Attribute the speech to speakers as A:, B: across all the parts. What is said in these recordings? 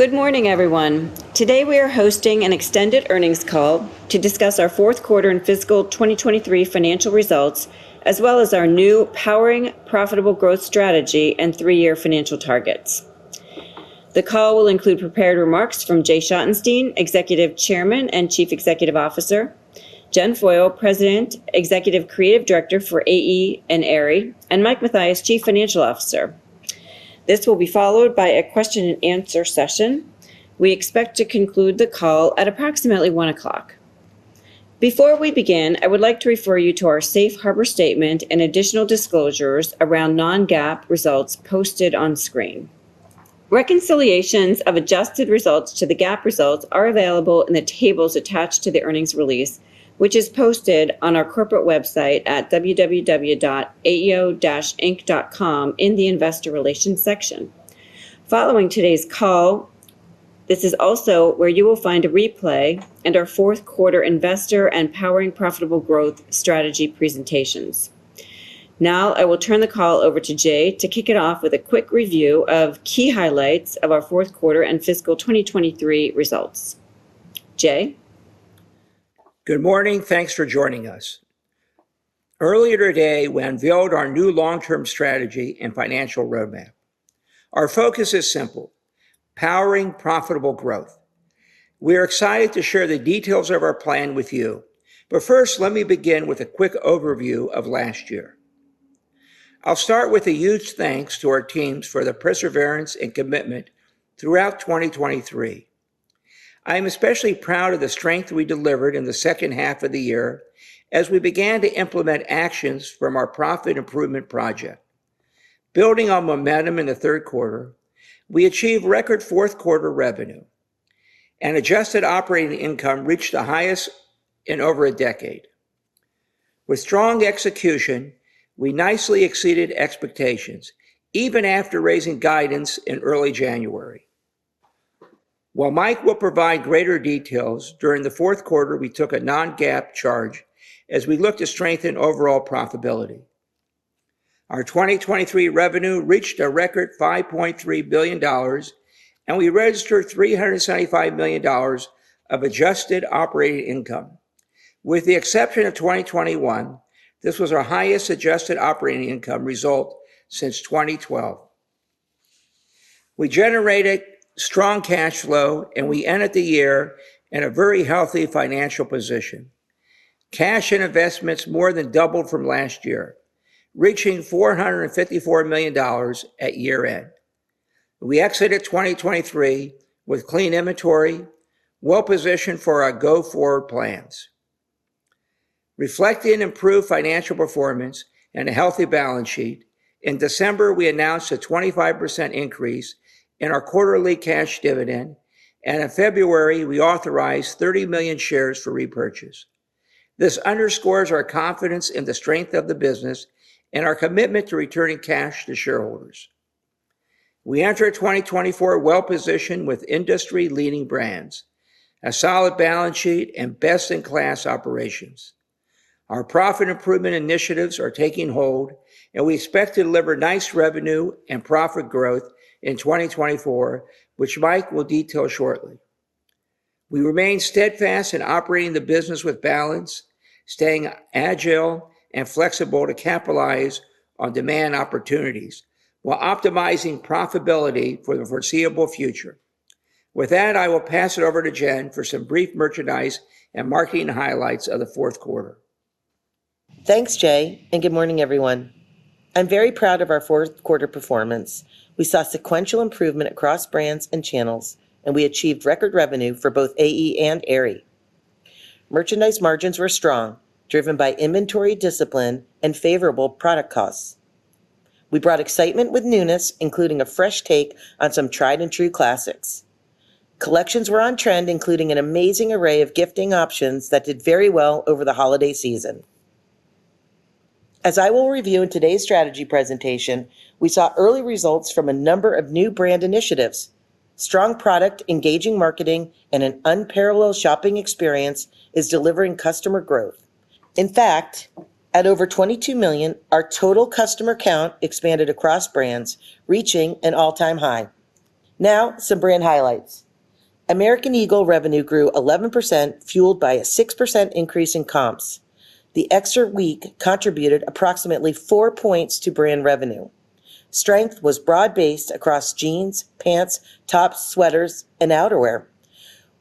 A: Good morning, everyone. Today, we are hosting an extended earnings call to discuss our fourth quarter and fiscal 2023 financial results, as well as our new Powering Profitable Growth strategy and three-year financial targets. The call will include prepared remarks from Jay Schottenstein, Executive Chairman and Chief Executive Officer, Jen Foyle, President, Executive Creative Director for AE and Aerie, and Mike Mathias, Chief Financial Officer. This will be followed by a question and answer session. We expect to conclude the call at approximately 1:00 PM. Before we begin, I would like to refer you to our safe harbor statement and additional disclosures around non-GAAP results posted on screen. Reconciliations of adjusted results to the GAAP results are available in the tables attached to the earnings release, which is posted on our corporate website at www.aeo-inc.com in the Investor Relations section. Following today's call, this is also where you will find a replay and our fourth quarter investor and powering profitable growth strategy presentations. Now, I will turn the call over to Jay to kick it off with a quick review of key highlights of our fourth quarter and fiscal 2023 results. Jay?
B: Good morning. Thanks for joining us. Earlier today, we unveiled our new long-term strategy and financial roadmap. Our focus is simple: powering profitable growth. We are excited to share the details of our plan with you, but first, let me begin with a quick overview of last year. I'll start with a huge thanks to our teams for their perseverance and commitment throughout 2023. I am especially proud of the strength we delivered in the second half of the year as we began to implement actions from our profit improvement project. Building on momentum in the third quarter, we achieved record fourth quarter revenue, and adjusted operating income reached the highest in over a decade. With strong execution, we nicely exceeded expectations, even after raising guidance in early January. While Mike will provide greater details, during the fourth quarter, we took a non-GAAP charge as we look to strengthen overall profitability. Our 2023 revenue reached a record $5.3 billion, and we registered $375 million of adjusted operating income. With the exception of 2021, this was our highest adjusted operating income result since 2012. We generated strong cash flow, and we ended the year in a very healthy financial position. Cash and investments more than doubled from last year, reaching $454 million at year-end. We exited 2023 with clean inventory, well-positioned for our go-forward plans. Reflecting improved financial performance and a healthy balance sheet, in December, we announced a 25% increase in our quarterly cash dividend, and in February, we authorized 30 million shares for repurchase. This underscores our confidence in the strength of the business and our commitment to returning cash to shareholders. We enter 2024 well-positioned with industry-leading brands, a solid balance sheet, and best-in-class operations. Our profit improvement initiatives are taking hold, and we expect to deliver nice revenue and profit growth in 2024, which Mike will detail shortly. We remain steadfast in operating the business with balance, staying agile and flexible to capitalize on demand opportunities while optimizing profitability for the foreseeable future. With that, I will pass it over to Jen for some brief merchandise and marketing highlights of the fourth quarter.
C: Thanks, Jay, and good morning, everyone. I'm very proud of our fourth quarter performance. We saw sequential improvement across brands and channels, and we achieved record revenue for both AE and Aerie. Merchandise margins were strong, driven by inventory discipline and favorable product costs. We brought excitement with newness, including a fresh take on some tried and true classics. Collections were on trend, including an amazing array of gifting options that did very well over the holiday season. As I will review in today's strategy presentation, we saw early results from a number of new brand initiatives. Strong product, engaging marketing, and an unparalleled shopping experience is delivering customer growth. In fact, at over 22 million, our total customer count expanded across brands, reaching an all-time high. Now, some brand highlights. American Eagle revenue grew 11%, fueled by a 6% increase in comps. The extra week contributed approximately four points to brand revenue. Strength was broad-based across jeans, pants, tops, sweaters, and outerwear.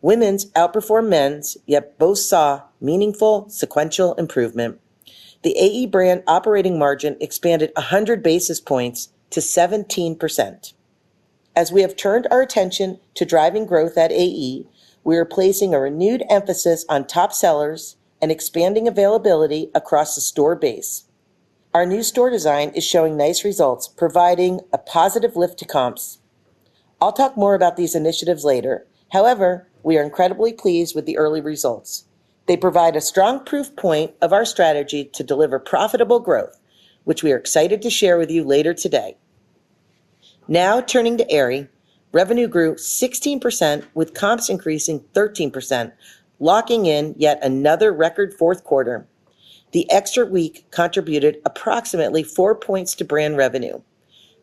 C: Women's outperformed men's, yet both saw meaningful sequential improvement. The AE brand operating margin expanded 100 basis points to 17%. As we have turned our attention to driving growth at AE, we are placing a renewed emphasis on top sellers and expanding availability across the store base. Our new store design is showing nice results, providing a positive lift to comps. I'll talk more about these initiatives later. However, we are incredibly pleased with the early results. They provide a strong proof point of our strategy to deliver profitable growth, which we are excited to share with you later today. Now, turning to Aerie, revenue grew 16%, with comps increasing 13%, locking in yet another record fourth quarter.... The extra week contributed approximately four points to brand revenue.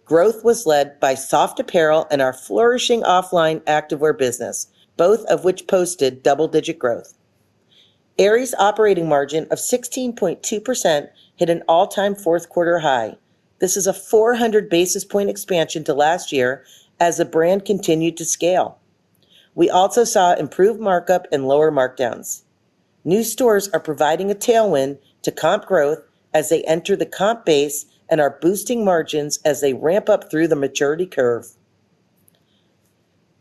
C: Growth was led by soft apparel and our flourishing OFFLINE activewear business, both of which posted double-digit growth. Aerie's operating margin of 16.2% hit an all-time fourth quarter high. This is a 400 basis point expansion to last year as the brand continued to scale. We also saw improved markup and lower markdowns. New stores are providing a tailwind to comp growth as they enter the comp base and are boosting margins as they ramp up through the maturity curve.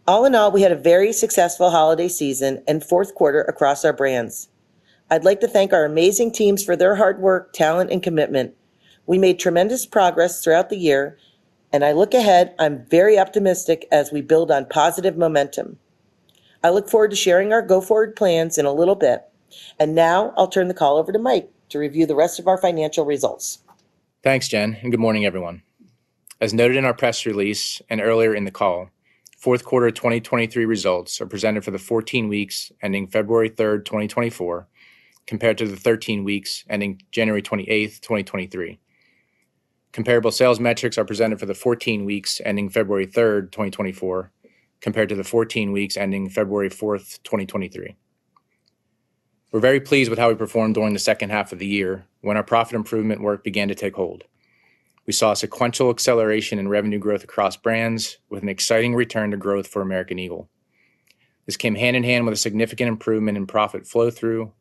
C: All in all, we had a very successful holiday season and fourth quarter across our brands. I'd like to thank our amazing teams for their hard work, talent, and commitment. We made tremendous progress throughout the year, and I look ahead, I'm very optimistic as we build on positive momentum. I look forward to sharing our go-forward plans in a little bit, and now I'll turn the call over to Mike to review the rest of our financial results.
D: Thanks, Jen, and good morning, everyone. As noted in our press release and earlier in the call, fourth quarter of 2023 results are presented for the 14 weeks ending February 3, 2024, compared to the 13 weeks ending January 28, 2023. Comparable sales metrics are presented for the 14 weeks ending February 3, 2024, compared to the 14 weeks ending February 4, 2023. We're very pleased with how we performed during the second half of the year when our profit improvement work began to take hold. We saw a sequential acceleration in revenue growth across brands with an exciting return to growth for American Eagle. This came hand in hand with a significant improvement in profit flow-through,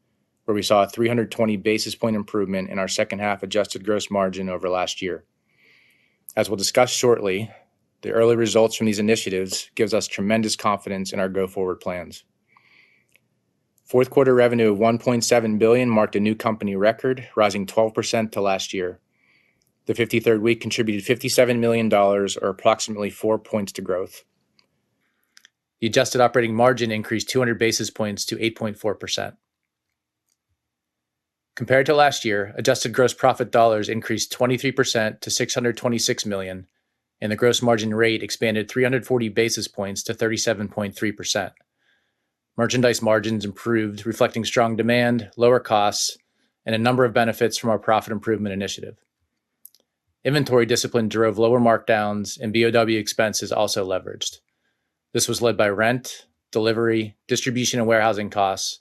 D: where we saw a 320 basis point improvement in our second half adjusted gross margin over last year. As we'll discuss shortly, the early results from these initiatives gives us tremendous confidence in our go-forward plans. Fourth quarter revenue of $1.7 billion marked a new company record, rising 12% to last year. The 53rd week contributed $57 million or approximately four points to growth. The adjusted operating margin increased 200 basis points to 8.4%. Compared to last year, adjusted gross profit dollars increased 23% to $626 million, and the gross margin rate expanded 340 basis points to 37.3%. Merchandise margins improved, reflecting strong demand, lower costs, and a number of benefits from our profit improvement initiative. Inventory discipline drove lower markdowns and BOW expenses also leveraged. This was led by rent, delivery, distribution, and warehousing costs,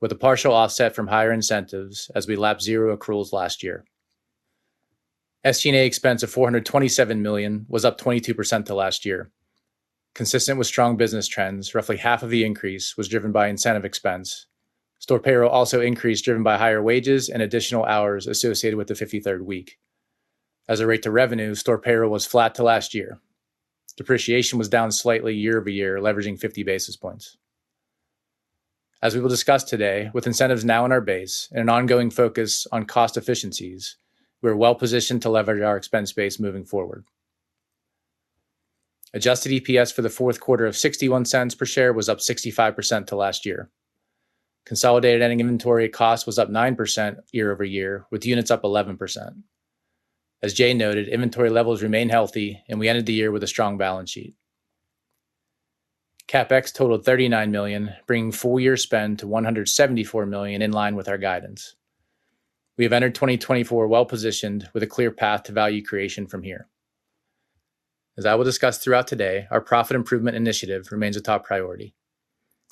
D: with a partial offset from higher incentives as we lap zero accruals last year. SG&A expense of $427 million was up 22% to last year. Consistent with strong business trends, roughly half of the increase was driven by incentive expense. Store payroll also increased, driven by higher wages and additional hours associated with the 53rd week. As a rate to revenue, store payroll was flat to last year. Depreciation was down slightly year-over-year, leveraging 50 basis points. As we will discuss today, with incentives now in our base and an ongoing focus on cost efficiencies, we're well-positioned to leverage our expense base moving forward. Adjusted EPS for the fourth quarter of $0.61 per share was up 65% to last year. Consolidated ending inventory cost was up 9% year-over-year, with units up 11%. As Jane noted, inventory levels remain healthy, and we ended the year with a strong balance sheet. CapEx totaled $39 million, bringing full year spend to $174 million, in line with our guidance. We have entered 2024 well-positioned with a clear path to value creation from here. As I will discuss throughout today, our profit improvement initiative remains a top priority.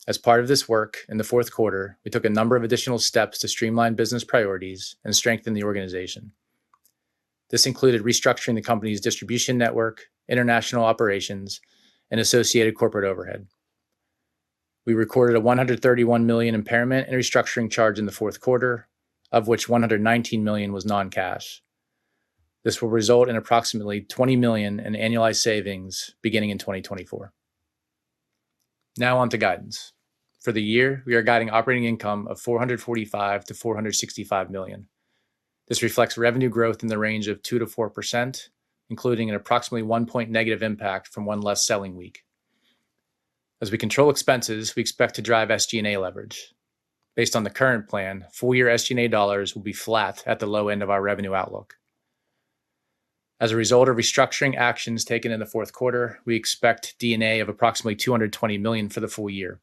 D: As part of this work, in the fourth quarter, we took a number of additional steps to streamline business priorities and strengthen the organization. This included restructuring the company's distribution network, international operations, and associated corporate overhead. We recorded a $131 million impairment and restructuring charge in the fourth quarter, of which $119 million was non-cash. This will result in approximately $20 million in annualized savings beginning in 2024. Now on to guidance. For the year, we are guiding operating income of $445 million-$465 million. This reflects revenue growth in the range of 2%-4%, including an approximately one-point negative impact from one less selling week. As we control expenses, we expect to drive SG&A leverage. Based on the current plan, full-year SG&A dollars will be flat at the low end of our revenue outlook. As a result of restructuring actions taken in the fourth quarter, we expect D&A of approximately $220 million for the full year.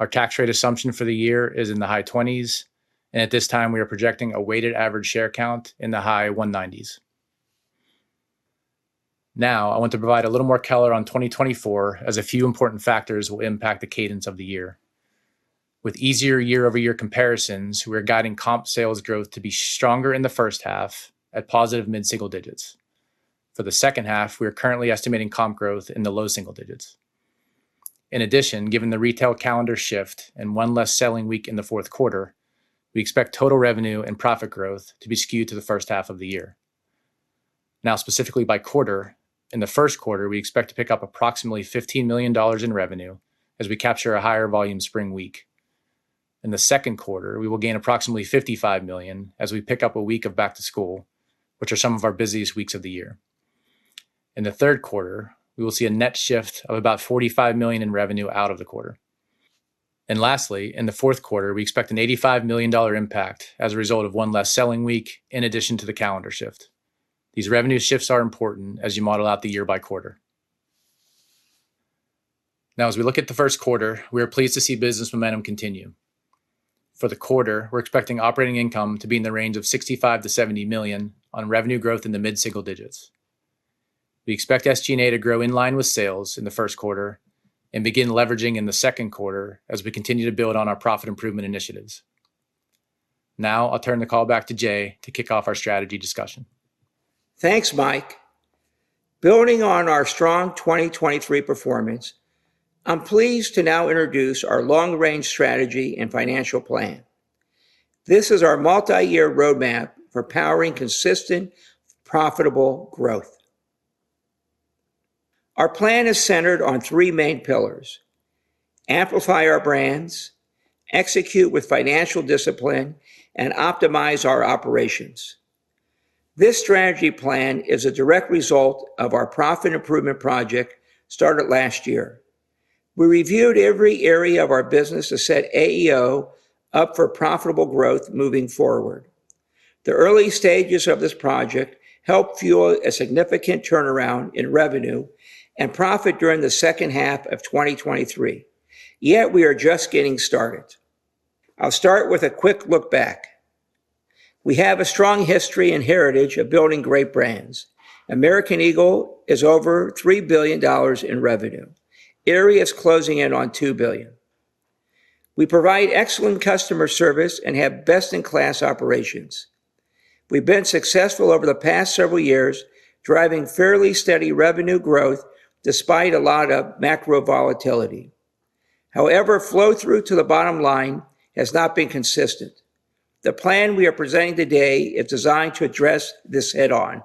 D: Our tax rate assumption for the year is in the high 20s%, and at this time, we are projecting a weighted average share count in the high 190s. Now, I want to provide a little more color on 2024, as a few important factors will impact the cadence of the year. With easier year-over-year comparisons, we are guiding comp sales growth to be stronger in the first half at positive mid-single digits. For the second half, we are currently estimating comp growth in the low single digits. In addition, given the retail calendar shift and 1 less selling week in the fourth quarter, we expect total revenue and profit growth to be skewed to the first half of the year. Now, specifically by quarter, in the first quarter, we expect to pick up approximately $15 million in revenue as we capture a higher volume spring week. In the second quarter, we will gain approximately $55 million as we pick up a week of back to school, which are some of our busiest weeks of the year. In the third quarter, we will see a net shift of about $45 million in revenue out of the quarter. Lastly, in the fourth quarter, we expect a $85 million impact as a result of one less selling week in addition to the calendar shift. These revenue shifts are important as you model out the year by quarter. Now, as we look at the first quarter, we are pleased to see business momentum continue. For the quarter, we're expecting operating income to be in the range of $65 million-$70 million on revenue growth in the mid-single digits. We expect SG&A to grow in line with sales in the first quarter and begin leveraging in the second quarter as we continue to build on our profit improvement initiatives. Now, I'll turn the call back to Jay to kick off our strategy discussion.
B: Thanks, Mike. Building on our strong 2023 performance, I'm pleased to now introduce our long-range strategy and financial plan. This is our multi-year roadmap for powering consistent, profitable growth. Our plan is centered on three main pillars: amplify our brands, execute with financial discipline, and optimize our operations. This strategy plan is a direct result of our profit improvement project started last year. We reviewed every area of our business to set AEO up for profitable growth moving forward. The early stages of this project helped fuel a significant turnaround in revenue and profit during the second half of 2023. Yet we are just getting started. I'll start with a quick look back. We have a strong history and heritage of building great brands. American Eagle is over $3 billion in revenue. Aerie is closing in on $2 billion. We provide excellent customer service and have best-in-class operations. We've been successful over the past several years, driving fairly steady revenue growth despite a lot of macro volatility. However, flow-through to the bottom line has not been consistent. The plan we are presenting today is designed to address this head-on.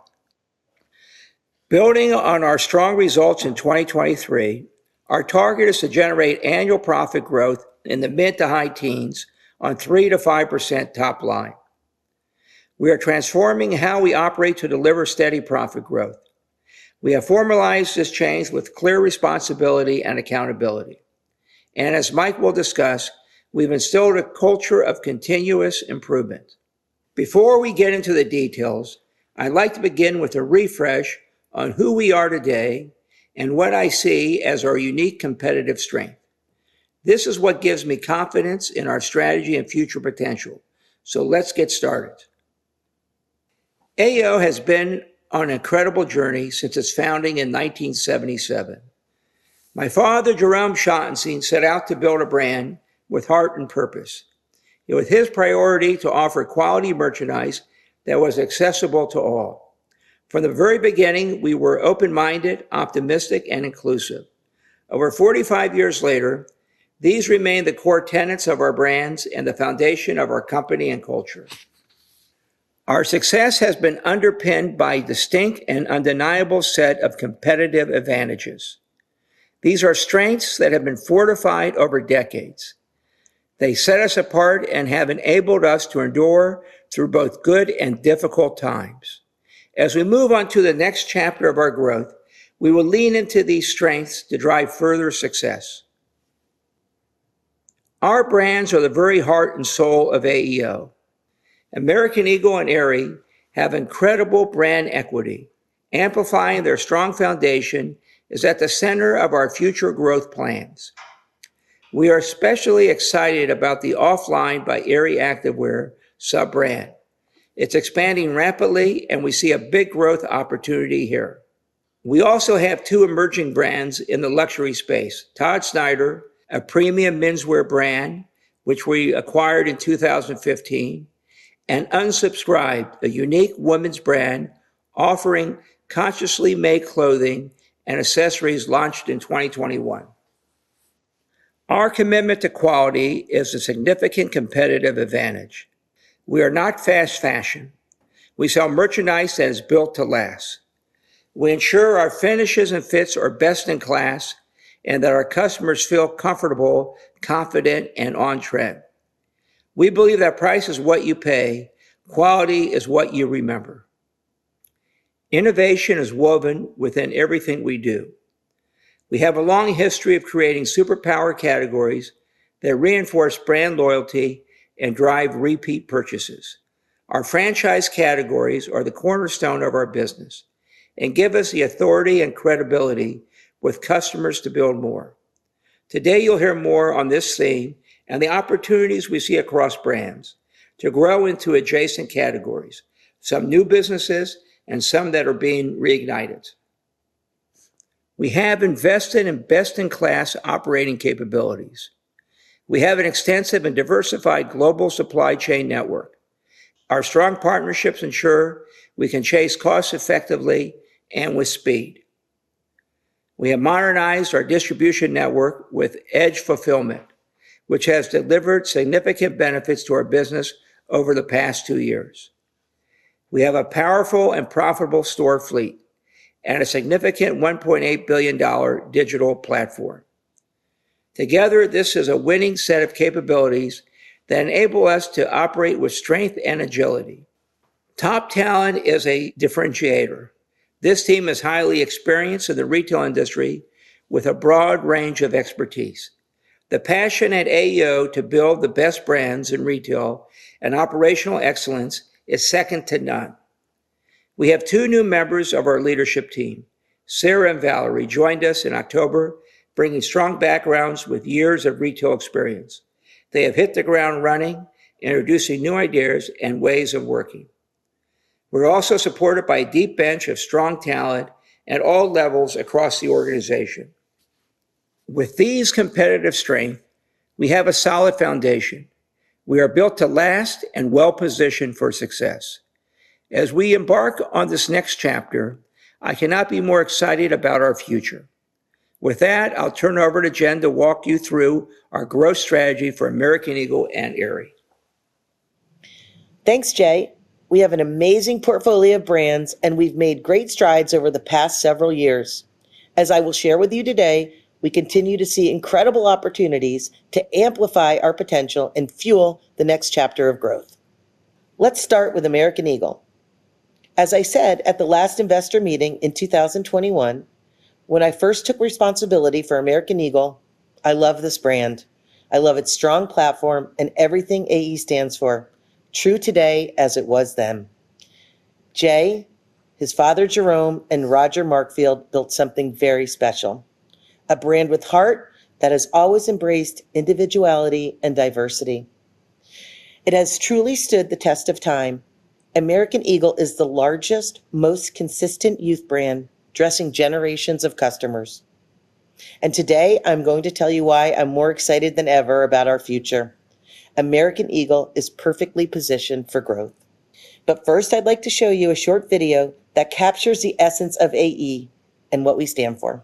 B: Building on our strong results in 2023, our target is to generate annual profit growth in the mid- to high-teens on 3%-5% top line. We are transforming how we operate to deliver steady profit growth. We have formalized this change with clear responsibility and accountability, and as Mike will discuss, we've instilled a culture of continuous improvement. Before we get into the details, I'd like to begin with a refresh on who we are today and what I see as our unique competitive strength. This is what gives me confidence in our strategy and future potential. So let's get started. AEO has been on an incredible journey since its founding in 1977. My father, Jerome Schottenstein, set out to build a brand with heart and purpose. It was his priority to offer quality merchandise that was accessible to all. From the very beginning, we were open-minded, optimistic, and inclusive. Over 45 years later, these remain the core tenets of our brands and the foundation of our company and culture. Our success has been underpinned by distinct and undeniable set of competitive advantages. These are strengths that have been fortified over decades. They set us apart and have enabled us to endure through both good and difficult times. As we move on to the next chapter of our growth, we will lean into these strengths to drive further success. Our brands are the very heart and soul of AEO. American Eagle and Aerie have incredible brand equity. Amplifying their strong foundation is at the center of our future growth plans. We are especially excited about the OFFLINE by Aerie activewear sub-brand. It's expanding rapidly, and we see a big growth opportunity here. We also have two emerging brands in the luxury space. Todd Snyder, a premium menswear brand, which we acquired in 2015, and Unsubscribed, a unique women's brand offering consciously made clothing and accessories, launched in 2021. Our commitment to quality is a significant competitive advantage. We are not fast fashion. We sell merchandise that is built to last. We ensure our finishes and fits are best in class and that our customers feel comfortable, confident, and on-trend. We believe that price is what you pay, quality is what you remember. Innovation is woven within everything we do. We have a long history of creating superpower categories that reinforce brand loyalty and drive repeat purchases. Our franchise categories are the cornerstone of our business and give us the authority and credibility with customers to build more. Today, you'll hear more on this theme and the opportunities we see across brands to grow into adjacent categories, some new businesses and some that are being reignited. We have invested in best-in-class operating capabilities. We have an extensive and diversified global supply chain network. Our strong partnerships ensure we can chase costs effectively and with speed. We have modernized our distribution network with Edge Fulfillment, which has delivered significant benefits to our business over the past two years. We have a powerful and profitable store fleet and a significant $1.8 billion digital platform. Together, this is a winning set of capabilities that enable us to operate with strength and agility. Top talent is a differentiator. This team is highly experienced in the retail industry with a broad range of expertise. The passion at AEO to build the best brands in retail and operational excellence is second to none... We have two new members of our leadership team. Sarah and Valerie joined us in October, bringing strong backgrounds with years of retail experience. They have hit the ground running, introducing new ideas and ways of working. We're also supported by a deep bench of strong talent at all levels across the organization. With these competitive strength, we have a solid foundation. We are built to last and well-positioned for success. As we embark on this next chapter, I cannot be more excited about our future. With that, I'll turn it over to Jen to walk you through our growth strategy for American Eagle and Aerie.
C: Thanks, Jay. We have an amazing portfolio of brands, and we've made great strides over the past several years. As I will share with you today, we continue to see incredible opportunities to amplify our potential and fuel the next chapter of growth. Let's start with American Eagle. As I said at the last investor meeting in 2021, when I first took responsibility for American Eagle, I love this brand. I love its strong platform and everything AE stands for, true today as it was then. Jay, his father, Jerome, and Roger Markfield built something very special, a brand with heart that has always embraced individuality and diversity. It has truly stood the test of time. American Eagle is the largest, most consistent youth brand, dressing generations of customers. And today, I'm going to tell you why I'm more excited than ever about our future. American Eagle is perfectly positioned for growth. But first, I'd like to show you a short video that captures the essence of AE and what we stand for.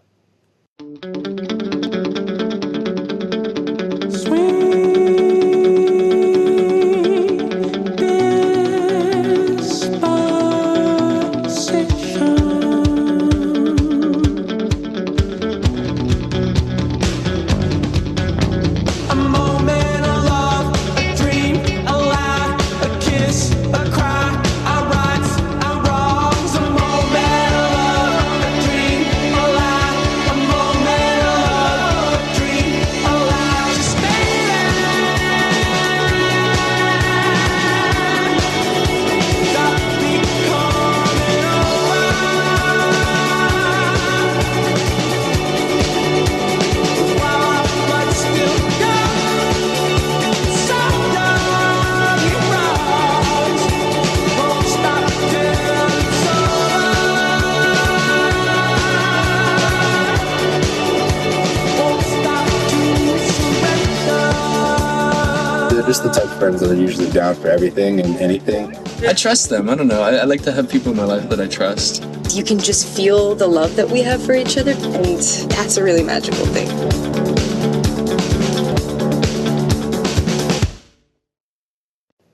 E: They're just the type of friends that are usually down for everything and anything.I trust them. I don't know. I, I like to have people in my life that I trust. You can just feel the love that we have for each other, and that's a really magical thing.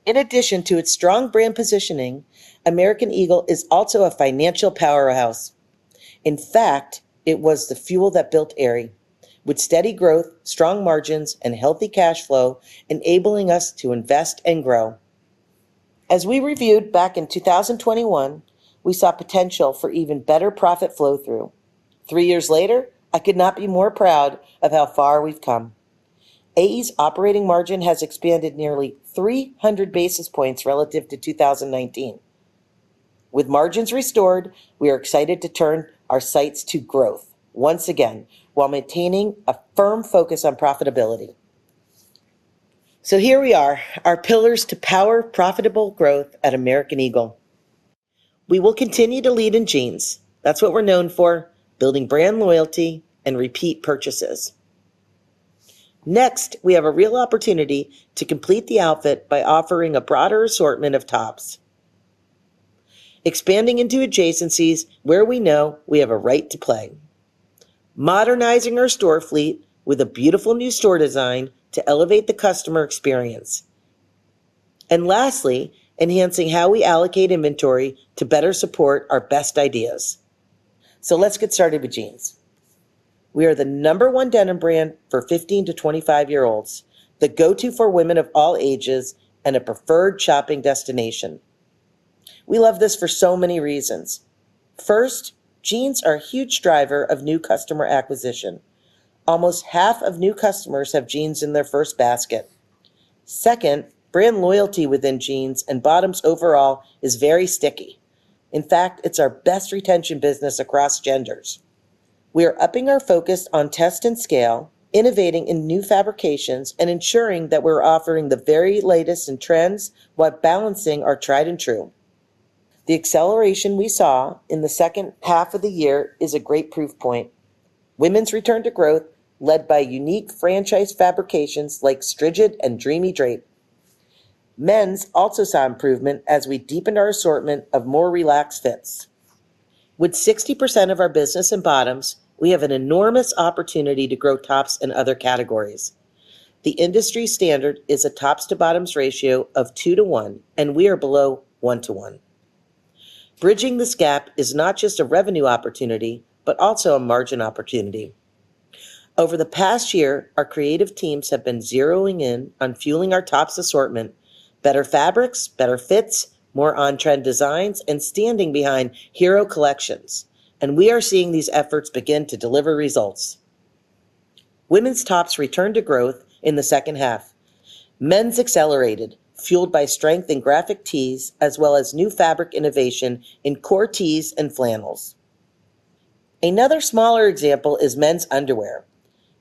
C: In addition to its strong brand positioning, American Eagle is also a financial powerhouse. In fact, it was the fuel that built Aerie, with steady growth, strong margins, and healthy cash flow, enabling us to invest and grow. As we reviewed back in 2021, we saw potential for even better profit flow-through. Three years later, I could not be more proud of how far we've come. AE's operating margin has expanded nearly 300 basis points relative to 2019. With margins restored, we are excited to turn our sights to growth once again, while maintaining a firm focus on profitability. So here we are, our pillars to power profitable growth at American Eagle. We will continue to lead in jeans. That's what we're known for, building brand loyalty and repeat purchases. Next, we have a real opportunity to complete the outfit by offering a broader assortment of tops, expanding into adjacencies where we know we have a right to play, modernizing our store fleet with a beautiful new store design to elevate the customer experience, and lastly, enhancing how we allocate inventory to better support our best ideas. So let's get started with jeans. We are the number one denim brand for 15- to 25-year-olds, the go-to for women of all ages, and a preferred shopping destination. We love this for so many reasons. First, jeans are a huge driver of new customer acquisition. Almost half of new customers have jeans in their first basket. Second, brand loyalty within jeans and bottoms overall is very sticky. In fact, it's our best retention business across genders. We are upping our focus on test and scale, innovating in new fabrications, and ensuring that we're offering the very latest in trends while balancing our tried and true. The acceleration we saw in the second half of the year is a great proof point. Women's return to growth, led by unique franchise fabrications like Strigid and Dreamy Drape. Men's also saw improvement as we deepened our assortment of more relaxed fits. With 60% of our business in bottoms, we have an enormous opportunity to grow tops and other categories. The industry standard is a tops-to-bottoms ratio of two-to-one, and we are below one-to-one. Bridging this gap is not just a revenue opportunity, but also a margin opportunity. Over the past year, our creative teams have been zeroing in on fueling our tops assortment, better fabrics, better fits, more on-trend designs, and standing behind hero collections, and we are seeing these efforts begin to deliver results. Women's tops returned to growth in the second half. Men's accelerated, fueled by strength in graphic tees, as well as new fabric innovation in core tees and flannels. Another smaller example is men's underwear.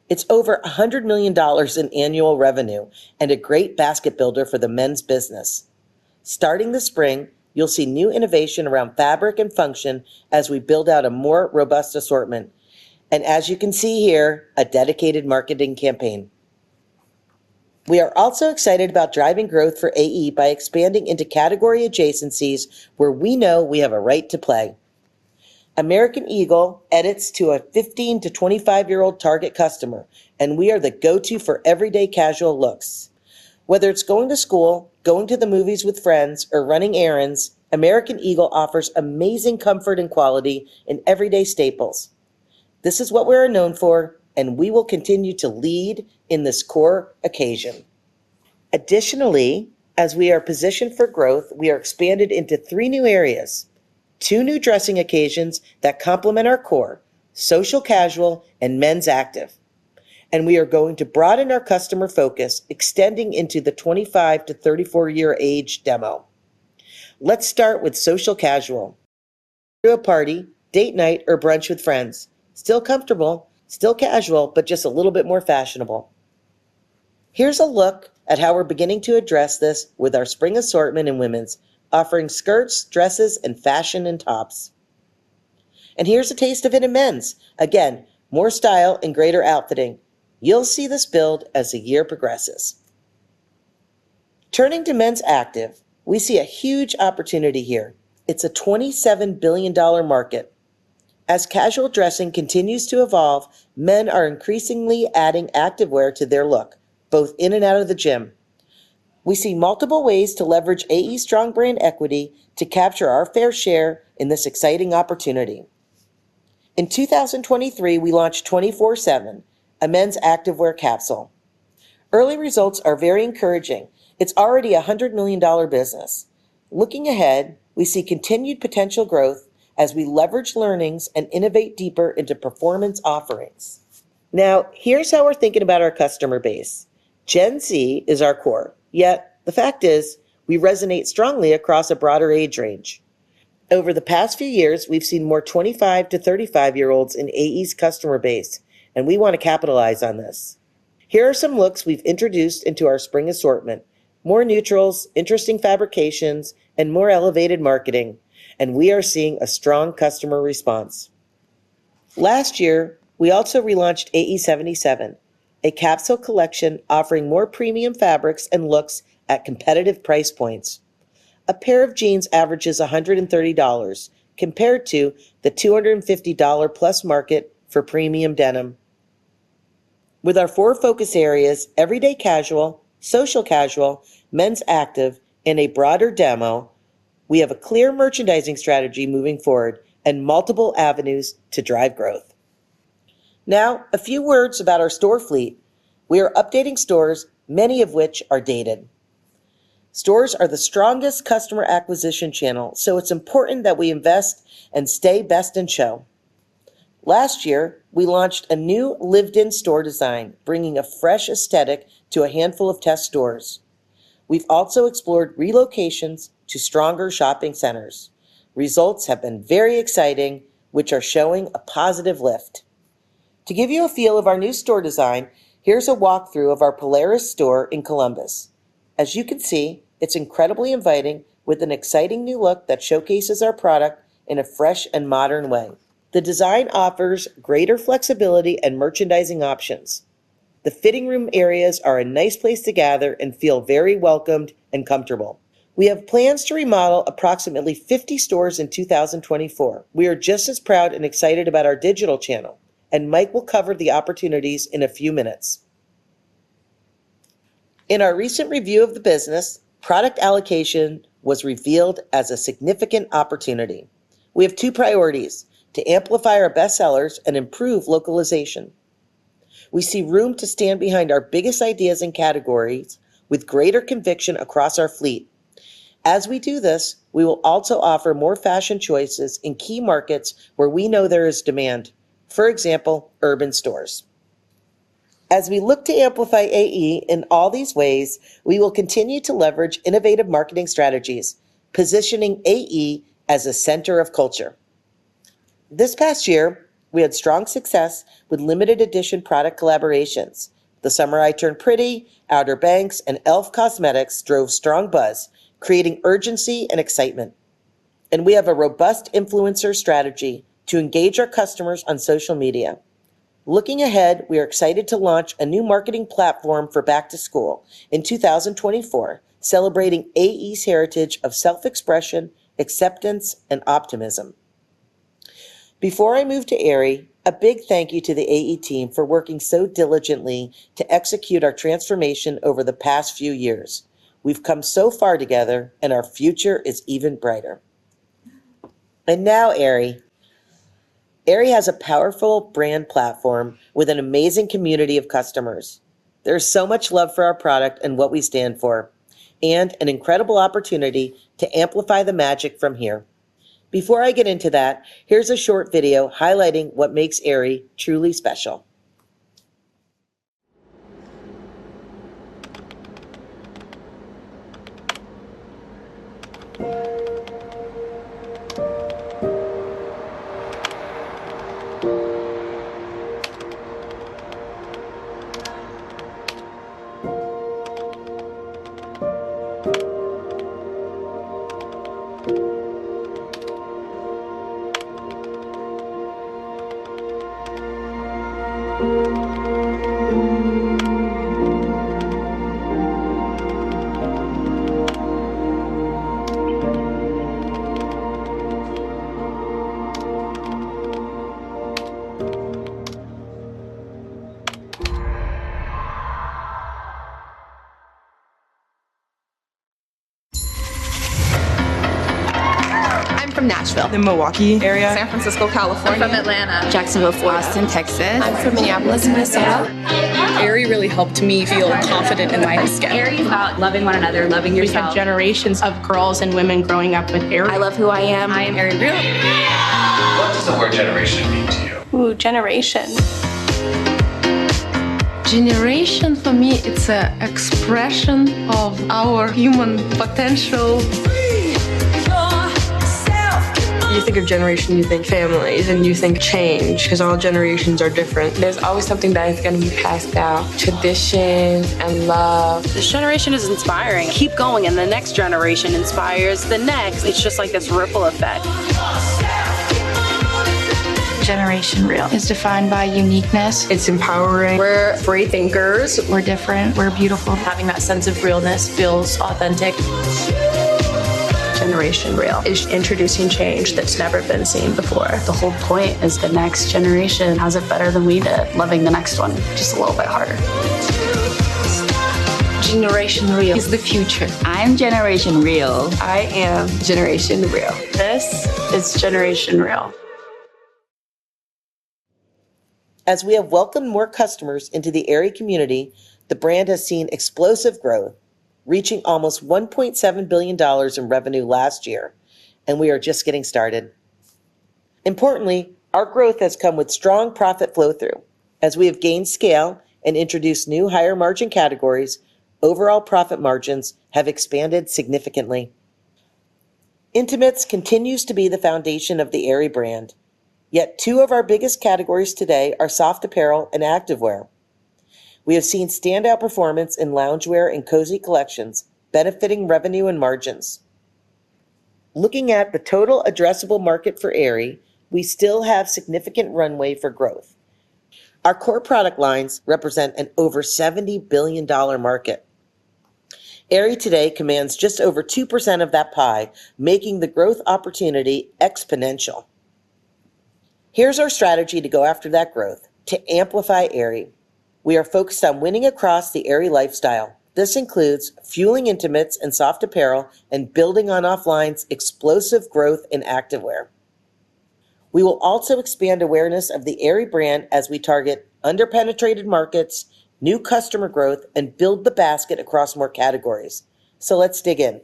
C: It's over $100+ million in annual revenue and a great basket builder for the men's business. Starting this spring, you'll see new innovation around fabric and function as we build out a more robust assortment, and as you can see here, a dedicated marketing campaign. We are also excited about driving growth for AE by expanding into category adjacencies where we know we have a right to play. American Eagle appeals to a 15- to 25-year-old target customer, and we are the go-to for everyday casual looks. Whether it's going to school, going to the movies with friends, or running errands, American Eagle offers amazing comfort and quality in everyday staples. This is what we're known for, and we will continue to lead in this core occasion. Additionally, as we are positioned for growth, we are expanding into three new areas: two new dressing occasions that complement our core, social casual, and men's active, and we are going to broaden our customer focus, extending into the 25- to 34-year age demo. Let's start with social casual. To a party, date night, or brunch with friends. Still comfortable, still casual, but just a little bit more fashionable. Here's a look at how we're beginning to address this with our spring assortment in women's, offering skirts, dresses, and fashion, and tops. Here's a taste of it in men's. Again, more style and greater outfitting. You'll see this build as the year progresses. Turning to men's active, we see a huge opportunity here. It's a $27 billion market. As casual dressing continues to evolve, men are increasingly adding activewear to their look, both in and out of the gym. We see multiple ways to leverage AE's strong brand equity to capture our fair share in this exciting opportunity. In 2023, we launched 24/7, a men's activewear capsule. Early results are very encouraging. It's already a $100 million business. Looking ahead, we see continued potential growth as we leverage learnings and innovate deeper into performance offerings. Now, here's how we're thinking about our customer base. Gen Z is our core, yet the fact is, we resonate strongly across a broader age range. Over the past few years, we've seen more 25- to 35-year-olds in AE's customer base, and we wanna capitalize on this. Here are some looks we've introduced into our spring assortment: more neutrals, interesting fabrications, and more elevated marketing, and we are seeing a strong customer response. Last year, we also relaunched AE77, a capsule collection offering more premium fabrics and looks at competitive price points. A pair of jeans averages $130, compared to the $250-plus market for premium denim. With our four focus areas, everyday casual, social casual, men's active, in a broader demo, we have a clear merchandising strategy moving forward and multiple avenues to drive growth. Now, a few words about our store fleet. We are updating stores, many of which are dated. Stores are the strongest customer acquisition channel, so it's important that we invest and stay best in show. Last year, we launched a new Lived-In store design, bringing a fresh aesthetic to a handful of test stores. We've also explored relocations to stronger shopping centers. Results have been very exciting, which are showing a positive lift. To give you a feel of our new store design, here's a walkthrough of our Polaris store in Columbus. As you can see, it's incredibly inviting, with an exciting new look that showcases our product in a fresh and modern way. The design offers greater flexibility and merchandising options. The fitting room areas are a nice place to gather and feel very welcomed and comfortable. We have plans to remodel approximately 50 stores in 2024. We are just as proud and excited about our digital channel, and Mike will cover the opportunities in a few minutes. In our recent review of the business, product allocation was revealed as a significant opportunity. We have two priorities: to amplify our best sellers and improve localization. We see room to stand behind our biggest ideas and categories with greater conviction across our fleet. As we do this, we will also offer more fashion choices in key markets where we know there is demand, for example, urban stores. As we look to amplify AE in all these ways, we will continue to leverage innovative marketing strategies, positioning AE as a center of culture. This past year, we had strong success with limited edition product collaborations. The Summer I Turned Pretty, Outer Banks, and e.l.f. Cosmetics drove strong buzz, creating urgency and excitement, and we have a robust influencer strategy to engage our customers on social media. Looking ahead, we are excited to launch a new marketing platform for Back to School in 2024, celebrating AE's heritage of self-expression, acceptance, and optimism. Before I move to Aerie, a big thank you to the AE team for working so diligently to execute our transformation over the past few years. We've come so far together, and our future is even brighter. And now Aerie. Aerie has a powerful brand platform with an amazing community of customers. There's so much love for our product and what we stand for, and an incredible opportunity to amplify the magic from here.... Before I get into that, here's a short video highlighting what makes Aerie truly special.
E: I'm from Nashville. The Milwaukee area. San Francisco, California. I'm from Atlanta. Jacksonville, Florida. Austin, Texas. I'm from Minneapolis, Minnesota. Aerie really helped me feel confident in my skin. Aerie is about loving one another, loving yourself. We have generations of girls and women growing up with Aerie. I love who I am. I am Aerie Real. Generation Real! What does the word generation mean to you? Ooh, generation. Generation, for me, it's an expression of our human potential. You think of generation, you think families, and you think change, 'cause all generations are different. There's always something that is gonna be passed down: tradition and love. This generation is inspiring. Keep going, and the next generation inspires the next. It's just like this ripple effect. Generation Real- is defined by uniqueness. It's empowering. We're freethinkers. We're different. We're beautiful. Having that sense of realness feels authentic. Generation Real- is introducing change that's never been seen before. The whole point is the next generation has it better than we did. Loving the next one just a little bit harder. Generation Real is the future. I am Generation Real. I am Generation Real. This is Generation Real.
C: As we have welcomed more customers into the Aerie community, the brand has seen explosive growth, reaching almost $1.7 billion in revenue last year, and we are just getting started. Importantly, our growth has come with strong profit flow-through. As we have gained scale and introduced new, higher-margin categories, overall profit margins have expanded significantly. Intimates continues to be the foundation of the Aerie brand, yet two of our biggest categories today are soft apparel and activewear. We have seen standout performance in loungewear and cozy collections, benefiting revenue and margins. Looking at the total addressable market for Aerie, we still have significant runway for growth. Our core product lines represent an over $70 billion market. Aerie today commands just over 2% of that pie, making the growth opportunity exponential. Here's our strategy to go after that growth: to amplify Aerie. We are focused on winning across the Aerie lifestyle. This includes fueling intimates and soft apparel and building on OFFLINE's explosive growth in activewear. We will also expand awareness of the Aerie brand as we target under-penetrated markets, new customer growth, and build the basket across more categories. So let's dig in.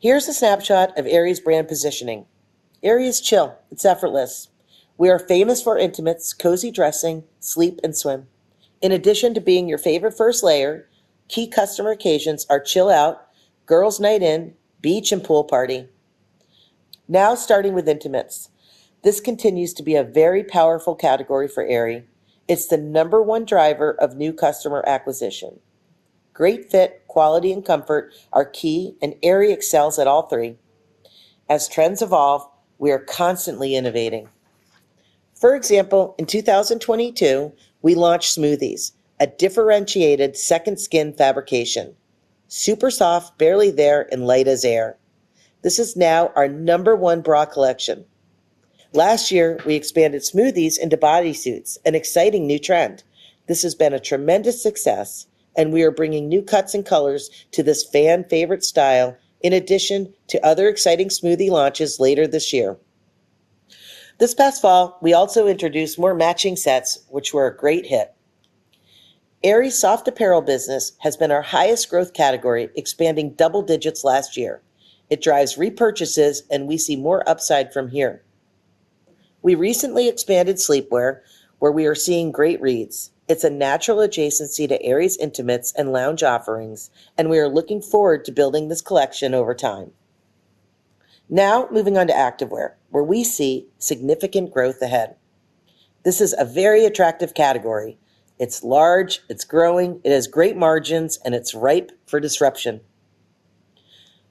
C: Here's a snapshot of Aerie's brand positioning. Aerie is chill. It's effortless. We are famous for intimates, cozy dressing, sleep, and swim. In addition to being your favorite first layer, key customer occasions are chill out, girls' night in, beach, and pool party. Now, starting with intimates, this continues to be a very powerful category for Aerie. It's the number one driver of new customer acquisition. Great fit, quality, and comfort are key, and Aerie excels at all three. As trends evolve, we are constantly innovating. For example, in 2022, we launched SMOOTHEZ, a differentiated second-skin fabrication: super soft, barely there, and light as air. This is now our number one bra collection. Last year, we expanded SMOOTHEZ into bodysuits, an exciting new trend. This has been a tremendous success, and we are bringing new cuts and colors to this fan-favorite style in addition to other exciting SMOOTHEZ launches later this year. This past fall, we also introduced more matching sets, which were a great hit. Aerie's soft apparel business has been our highest growth category, expanding double digits last year. It drives repurchases, and we see more upside from here. We recently expanded sleepwear, where we are seeing great reads. It's a natural adjacency to Aerie's intimates and lounge offerings, and we are looking forward to building this collection over time. Now, moving on to activewear, where we see significant growth ahead. This is a very attractive category. It's large, it's growing, it has great margins, and it's ripe for disruption.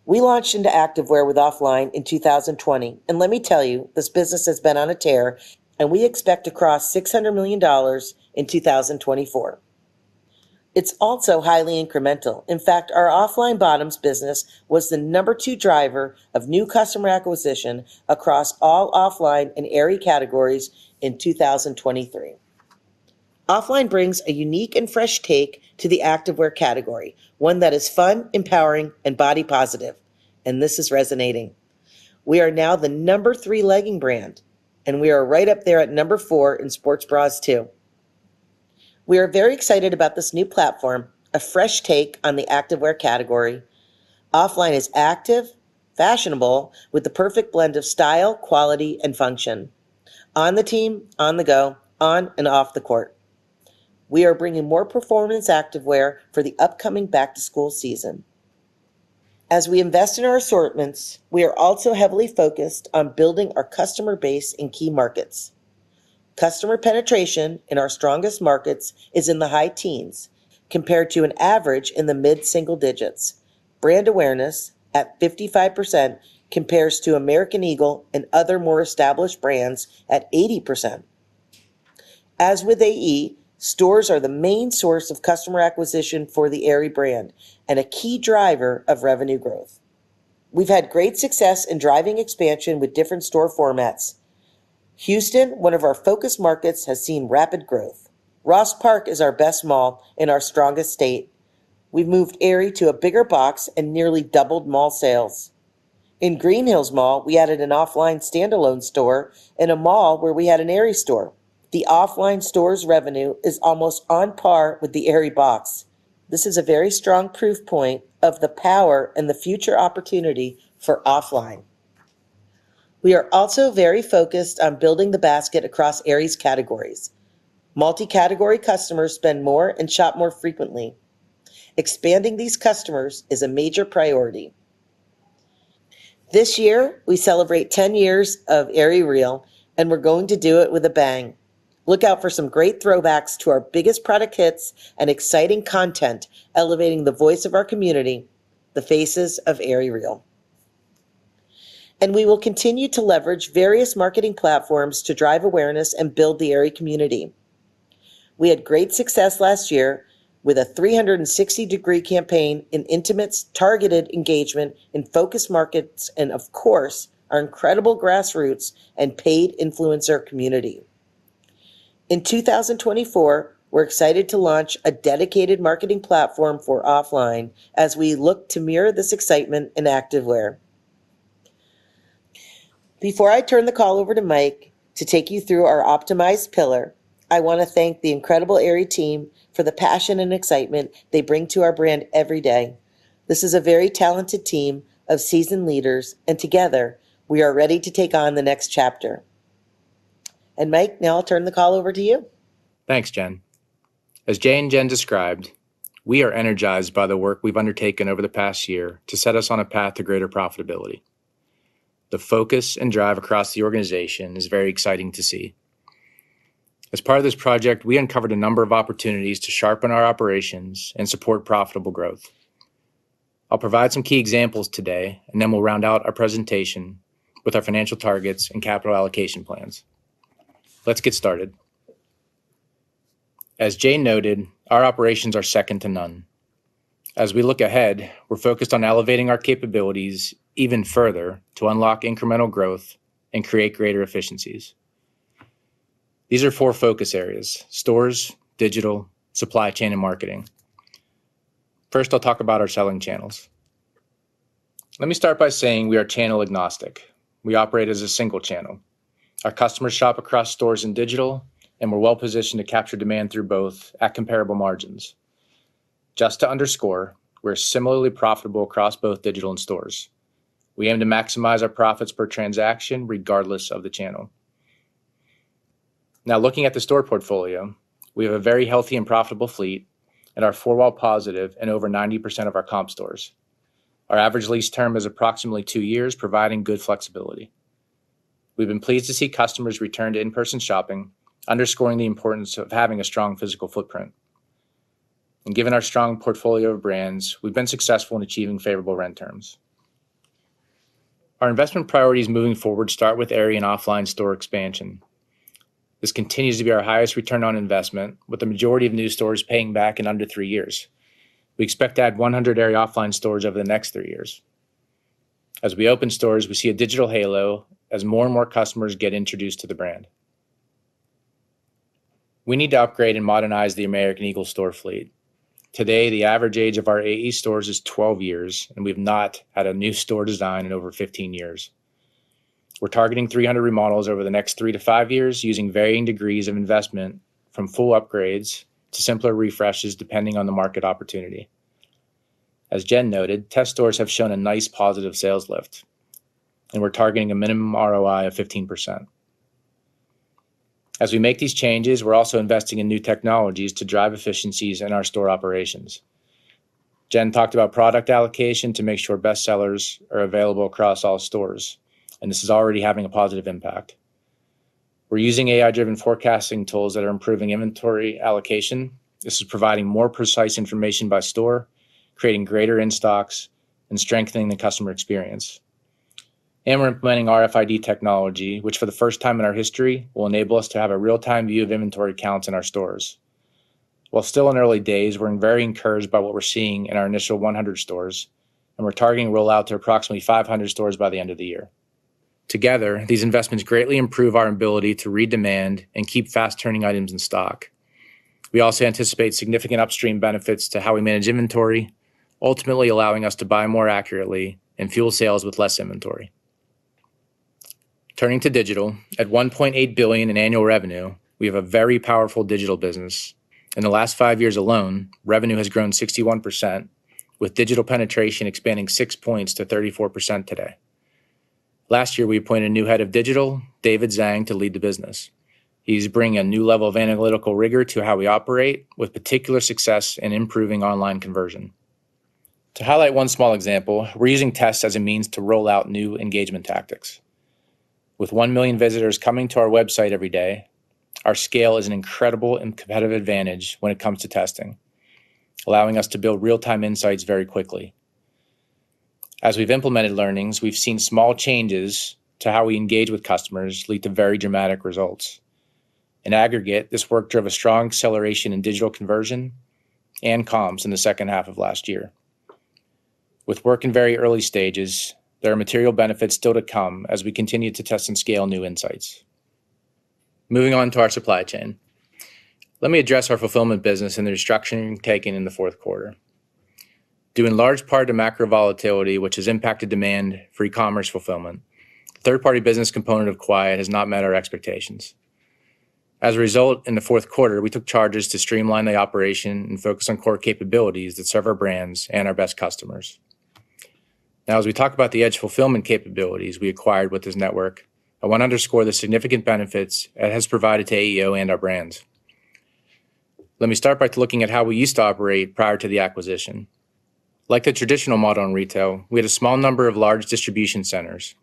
C: We launched into activewear with OFFLINE in 2020, and let me tell you, this business has been on a tear, and we expect to cross $600 million in 2024. It's also highly incremental. In fact, our OFFLINE Bottoms business was the number two driver of new customer acquisition across all OFFLINE and Aerie categories in 2023. OFFLINE brings a unique and fresh take to the activewear category, one that is fun, empowering, and body-positive, and this is resonating. We are now the number three leggings brand, and we are right up there at number four in sports bras, too.... We are very excited about this new platform, a fresh take on the activewear category. OFFLINE is active, fashionable, with the perfect blend of style, quality, and function. On the team, on the go, on and off the court. We are bringing more performance activewear for the upcoming back-to-school season. As we invest in our assortments, we are also heavily focused on building our customer base in key markets. Customer penetration in our strongest markets is in the high teens, compared to an average in the mid-single digits. Brand awareness at 55% compares to American Eagle and other more established brands at 80%. As with AE, stores are the main source of customer acquisition for the Aerie brand and a key driver of revenue growth. We've had great success in driving expansion with different store formats. Houston, one of our focus markets, has seen rapid growth. Ross Park is our best mall in our strongest state. We've moved Aerie to a bigger box and nearly doubled mall sales. In Green Hills Mall, we added an offline standalone store in a mall where we had an Aerie store. The offline store's revenue is almost on par with the Aerie box. This is a very strong proof point of the power and the future opportunity for offline. We are also very focused on building the basket across Aerie's categories. Multi-category customers spend more and shop more frequently. Expanding these customers is a major priority. This year, we celebrate 10 years of Aerie Real, and we're going to do it with a bang. Look out for some great throwbacks to our biggest product hits and exciting content, elevating the voice of our community, the faces of Aerie Real. We will continue to leverage various marketing platforms to drive awareness and build the Aerie community. We had great success last year with a 360-degree campaign in intimates, targeted engagement in focus markets, and of course, our incredible grassroots and paid influencer community. In 2024, we're excited to launch a dedicated marketing platform for offline as we look to mirror this excitement in activewear. Before I turn the call over to Mike to take you through our optimized pillar, I want to thank the incredible Aerie team for the passion and excitement they bring to our brand every day. This is a very talented team of seasoned leaders, and together, we are ready to take on the next chapter. And Mike, now I'll turn the call over to you.
D: Thanks, Jen. As Jay and Jen described, we are energized by the work we've undertaken over the past year to set us on a path to greater profitability. The focus and drive across the organization is very exciting to see. As part of this project, we uncovered a number of opportunities to sharpen our operations and support profitable growth. I'll provide some key examples today, and then we'll round out our presentation with our financial targets and capital allocation plans. Let's get started. As Jay noted, our operations are second to none. As we look ahead, we're focused on elevating our capabilities even further to unlock incremental growth and create greater efficiencies. These are four focus areas: stores, digital, supply chain, and marketing. First, I'll talk about our selling channels. Let me start by saying we are channel agnostic. We operate as a single channel. Our customers shop across stores and digital, and we're well positioned to capture demand through both at comparable margins. Just to underscore, we're similarly profitable across both digital and stores. We aim to maximize our profits per transaction, regardless of the channel. Now, looking at the store portfolio, we have a very healthy and profitable fleet and are four-wall positive in over 90% of our comp stores. Our average lease term is approximately two years, providing good flexibility. We've been pleased to see customers return to in-person shopping, underscoring the importance of having a strong physical footprint. Given our strong portfolio of brands, we've been successful in achieving favorable rent terms. Our investment priorities moving forward start with Aerie and OFFLINE store expansion. This continues to be our highest return on investment, with the majority of new stores paying back in under three years. We expect to add 100 Aerie OFFLINE stores over the next three years. As we open stores, we see a digital halo as more and more customers get introduced to the brand. We need to upgrade and modernize the American Eagle store fleet. Today, the average age of our AE stores is 12 years, and we've not had a new store design in over 15 years. We're targeting 300 remodels over the next three-five years, using varying degrees of investment, from full upgrades to simpler refreshes, depending on the market opportunity. As Jen noted, test stores have shown a nice positive sales lift, and we're targeting a minimum ROI of 15%. As we make these changes, we're also investing in new technologies to drive efficiencies in our store operations. Jen talked about product allocation to make sure best sellers are available across all stores, and this is already having a positive impact. We're using AI-driven forecasting tools that are improving inventory allocation. This is providing more precise information by store, creating greater in-stocks, and strengthening the customer experience. We're implementing RFID technology, which for the first time in our history, will enable us to have a real-time view of inventory counts in our stores. While still in early days, we're very encouraged by what we're seeing in our initial 100 stores, and we're targeting roll out to approximately 500 stores by the end of the year. Together, these investments greatly improve our ability to redemand and keep fast-turning items in stock. We also anticipate significant upstream benefits to how we manage inventory, ultimately allowing us to buy more accurately and fuel sales with less inventory.... Turning to digital, at $1.8 billion in annual revenue, we have a very powerful digital business. In the last five years alone, revenue has grown 61%, with digital penetration expanding six points to 34% today. Last year, we appointed a new head of digital, David Zhang, to lead the business. He's bringing a new level of analytical rigor to how we operate, with particular success in improving online conversion. To highlight one small example, we're using tests as a means to roll out new engagement tactics. With one million visitors coming to our website every day, our scale is an incredible and competitive advantage when it comes to testing, allowing us to build real-time insights very quickly. As we've implemented learnings, we've seen small changes to how we engage with customers lead to very dramatic results. In aggregate, this work drove a strong acceleration in digital conversion and comps in the second half of last year. With this work in very early stages, there are material benefits still to come as we continue to test and scale new insights. Moving on to our supply chain. Let me address our fulfillment business and the restructuring taken in the fourth quarter. Due in large part to macro volatility, which has impacted demand for e-commerce fulfillment, third-party business component of Quiet has not met our expectations. As a result, in the fourth quarter, we took charges to streamline the operation and focus on core capabilities that serve our brands and our best customers. Now, as we talk about the Edge Fulfillment capabilities we acquired with this network, I want to underscore the significant benefits it has provided to AEO and our brands. Let me start by looking at how we used to operate prior to the acquisition. Like the traditional model in retail, we had a small number of large distribution centers.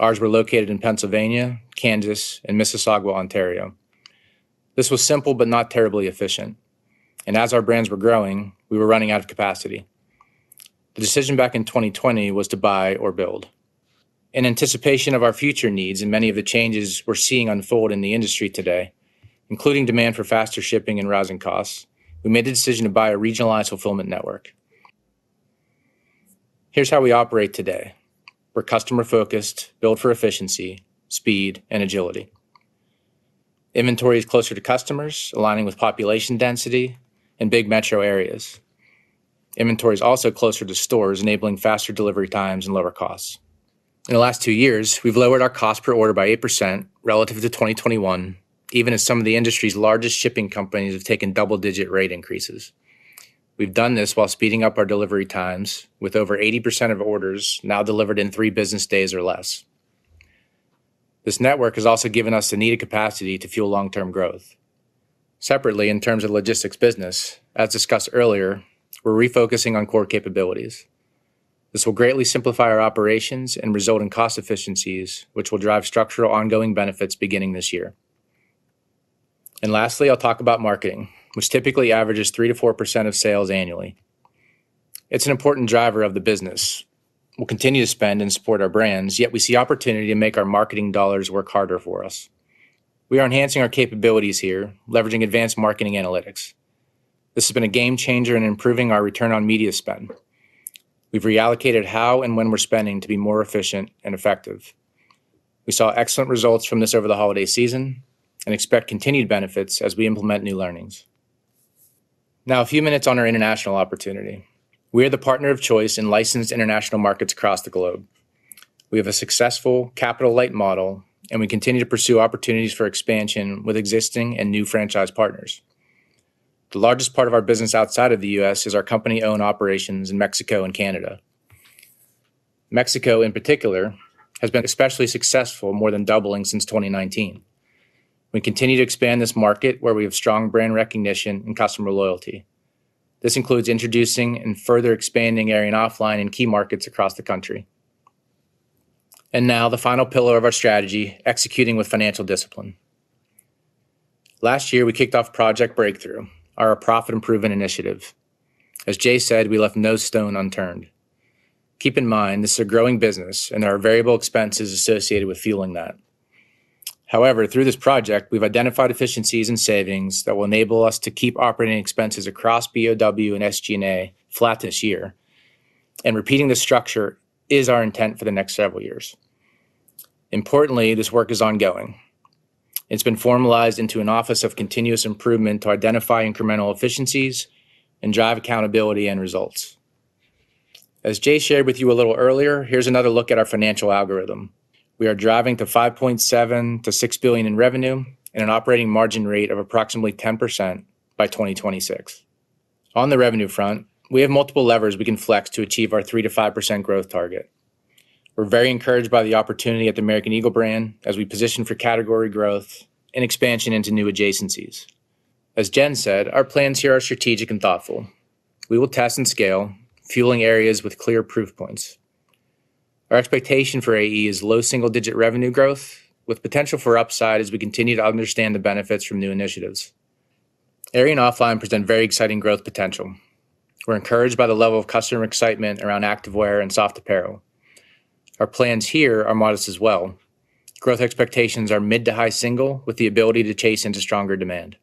D: Ours were located in Pennsylvania, Kansas, and Mississauga, Ontario. This was simple but not terribly efficient, and as our brands were growing, we were running out of capacity. The decision back in 2020 was to buy or build. In anticipation of our future needs and many of the changes we're seeing unfold in the industry today, including demand for faster shipping and rising costs, we made the decision to buy a regionalized fulfillment network. Here's how we operate today. We're customer-focused, built for efficiency, speed, and agility. Inventory is closer to customers, aligning with population density in big metro areas. Inventory is also closer to stores, enabling faster delivery times and lower costs. In the last two years, we've lowered our cost per order by 8% relative to 2021, even as some of the industry's largest shipping companies have taken double-digit rate increases. We've done this while speeding up our delivery times, with over 80% of orders now delivered in three business days or less. This network has also given us the needed capacity to fuel long-term growth. Separately, in terms of logistics business, as discussed earlier, we're refocusing on core capabilities. This will greatly simplify our operations and result in cost efficiencies, which will drive structural, ongoing benefits beginning this year. Lastly, I'll talk about marketing, which typically averages 3%-4% of sales annually. It's an important driver of the business. We'll continue to spend and support our brands, yet we see opportunity to make our marketing dollars work harder for us. We are enhancing our capabilities here, leveraging advanced marketing analytics. This has been a game changer in improving our return on media spend. We've reallocated how and when we're spending to be more efficient and effective. We saw excellent results from this over the holiday season and expect continued benefits as we implement new learnings. Now, a few minutes on our international opportunity. We are the partner of choice in licensed international markets across the globe. We have a successful capital-light model, and we continue to pursue opportunities for expansion with existing and new franchise partners. The largest part of our business outside of the U.S. is our company-owned operations in Mexico and Canada. Mexico, in particular, has been especially successful, more than doubling since 2019. We continue to expand this market where we have strong brand recognition and customer loyalty. This includes introducing and further expanding Aerie and OFFLINE in key markets across the country. Now the final pillar of our strategy, executing with financial discipline. Last year, we kicked off Project Breakthrough, our profit improvement initiative. As Jay said, we left no stone unturned. Keep in mind, this is a growing business and there are variable expenses associated with fueling that. However, through this project, we've identified efficiencies and savings that will enable us to keep operating expenses across BOW and SG&A flat this year, and repeating this structure is our intent for the next several years. Importantly, this work is ongoing. It's been formalized into an office of continuous improvement to identify incremental efficiencies and drive accountability and results. As Jay shared with you a little earlier, here's another look at our financial algorithm. We are driving to $5.7 billion-$6 billion in revenue and an operating margin rate of approximately 10% by 2026. On the revenue front, we have multiple levers we can flex to achieve our 3%-5% growth target. We're very encouraged by the opportunity at the American Eagle brand as we position for category growth and expansion into new adjacencies. As Jen said, our plans here are strategic and thoughtful. We will test and scale, fueling areas with clear proof points. Our expectation for AE is low single-digit revenue growth, with potential for upside as we continue to understand the benefits from new initiatives. Aerie and OFFLINE present very exciting growth potential. We're encouraged by the level of customer excitement around activewear and soft apparel. Our plans here are modest as well. Growth expectations are mid- to high-single, with the ability to chase into stronger demand.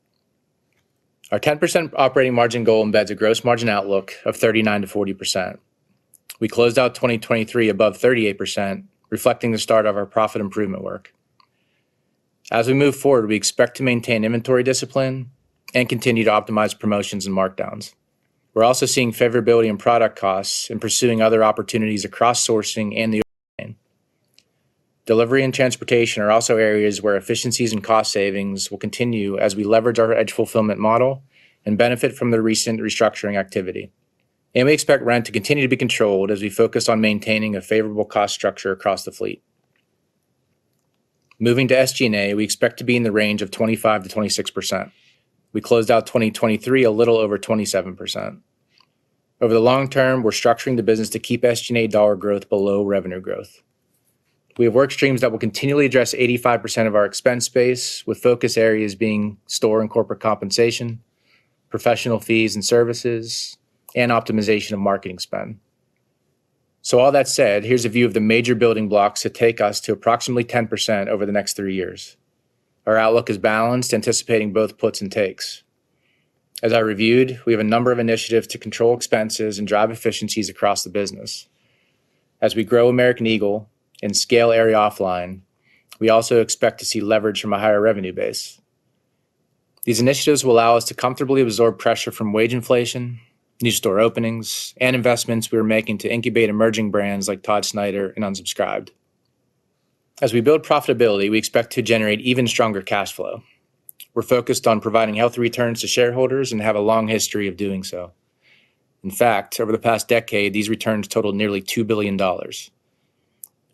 D: Our 10% operating margin goal embeds a gross margin outlook of 39%-40%. We closed out 2023 above 38%, reflecting the start of our profit improvement work... As we move forward, we expect to maintain inventory discipline and continue to optimize promotions and markdowns. We're also seeing favorability in product costs and pursuing other opportunities across sourcing and the offline. Delivery and transportation are also areas where efficiencies and cost savings will continue as we leverage our Edge Fulfillment model and benefit from the recent restructuring activity. We expect rent to continue to be controlled as we focus on maintaining a favorable cost structure across the fleet. Moving to SG&A, we expect to be in the range of 25%-26%. We closed out 2023 a little over 27%. Over the long term, we're structuring the business to keep SG&A dollar growth below revenue growth. We have work streams that will continually address 85% of our expense base, with focus areas being store and corporate compensation, professional fees and services, and optimization of marketing spend. So all that said, here's a view of the major building blocks that take us to approximately 10% over the next three years. Our outlook is balanced, anticipating both puts and takes. As I reviewed, we have a number of initiatives to control expenses and drive efficiencies across the business. As we grow American Eagle and scale Aerie offline, we also expect to see leverage from a higher revenue base. These initiatives will allow us to comfortably absorb pressure from wage inflation, new store openings, and investments we are making to incubate emerging brands like Todd Snyder and Unsubscribed. As we build profitability, we expect to generate even stronger cash flow. We're focused on providing healthy returns to shareholders and have a long history of doing so. In fact, over the past decade, these returns totaled nearly $2 billion.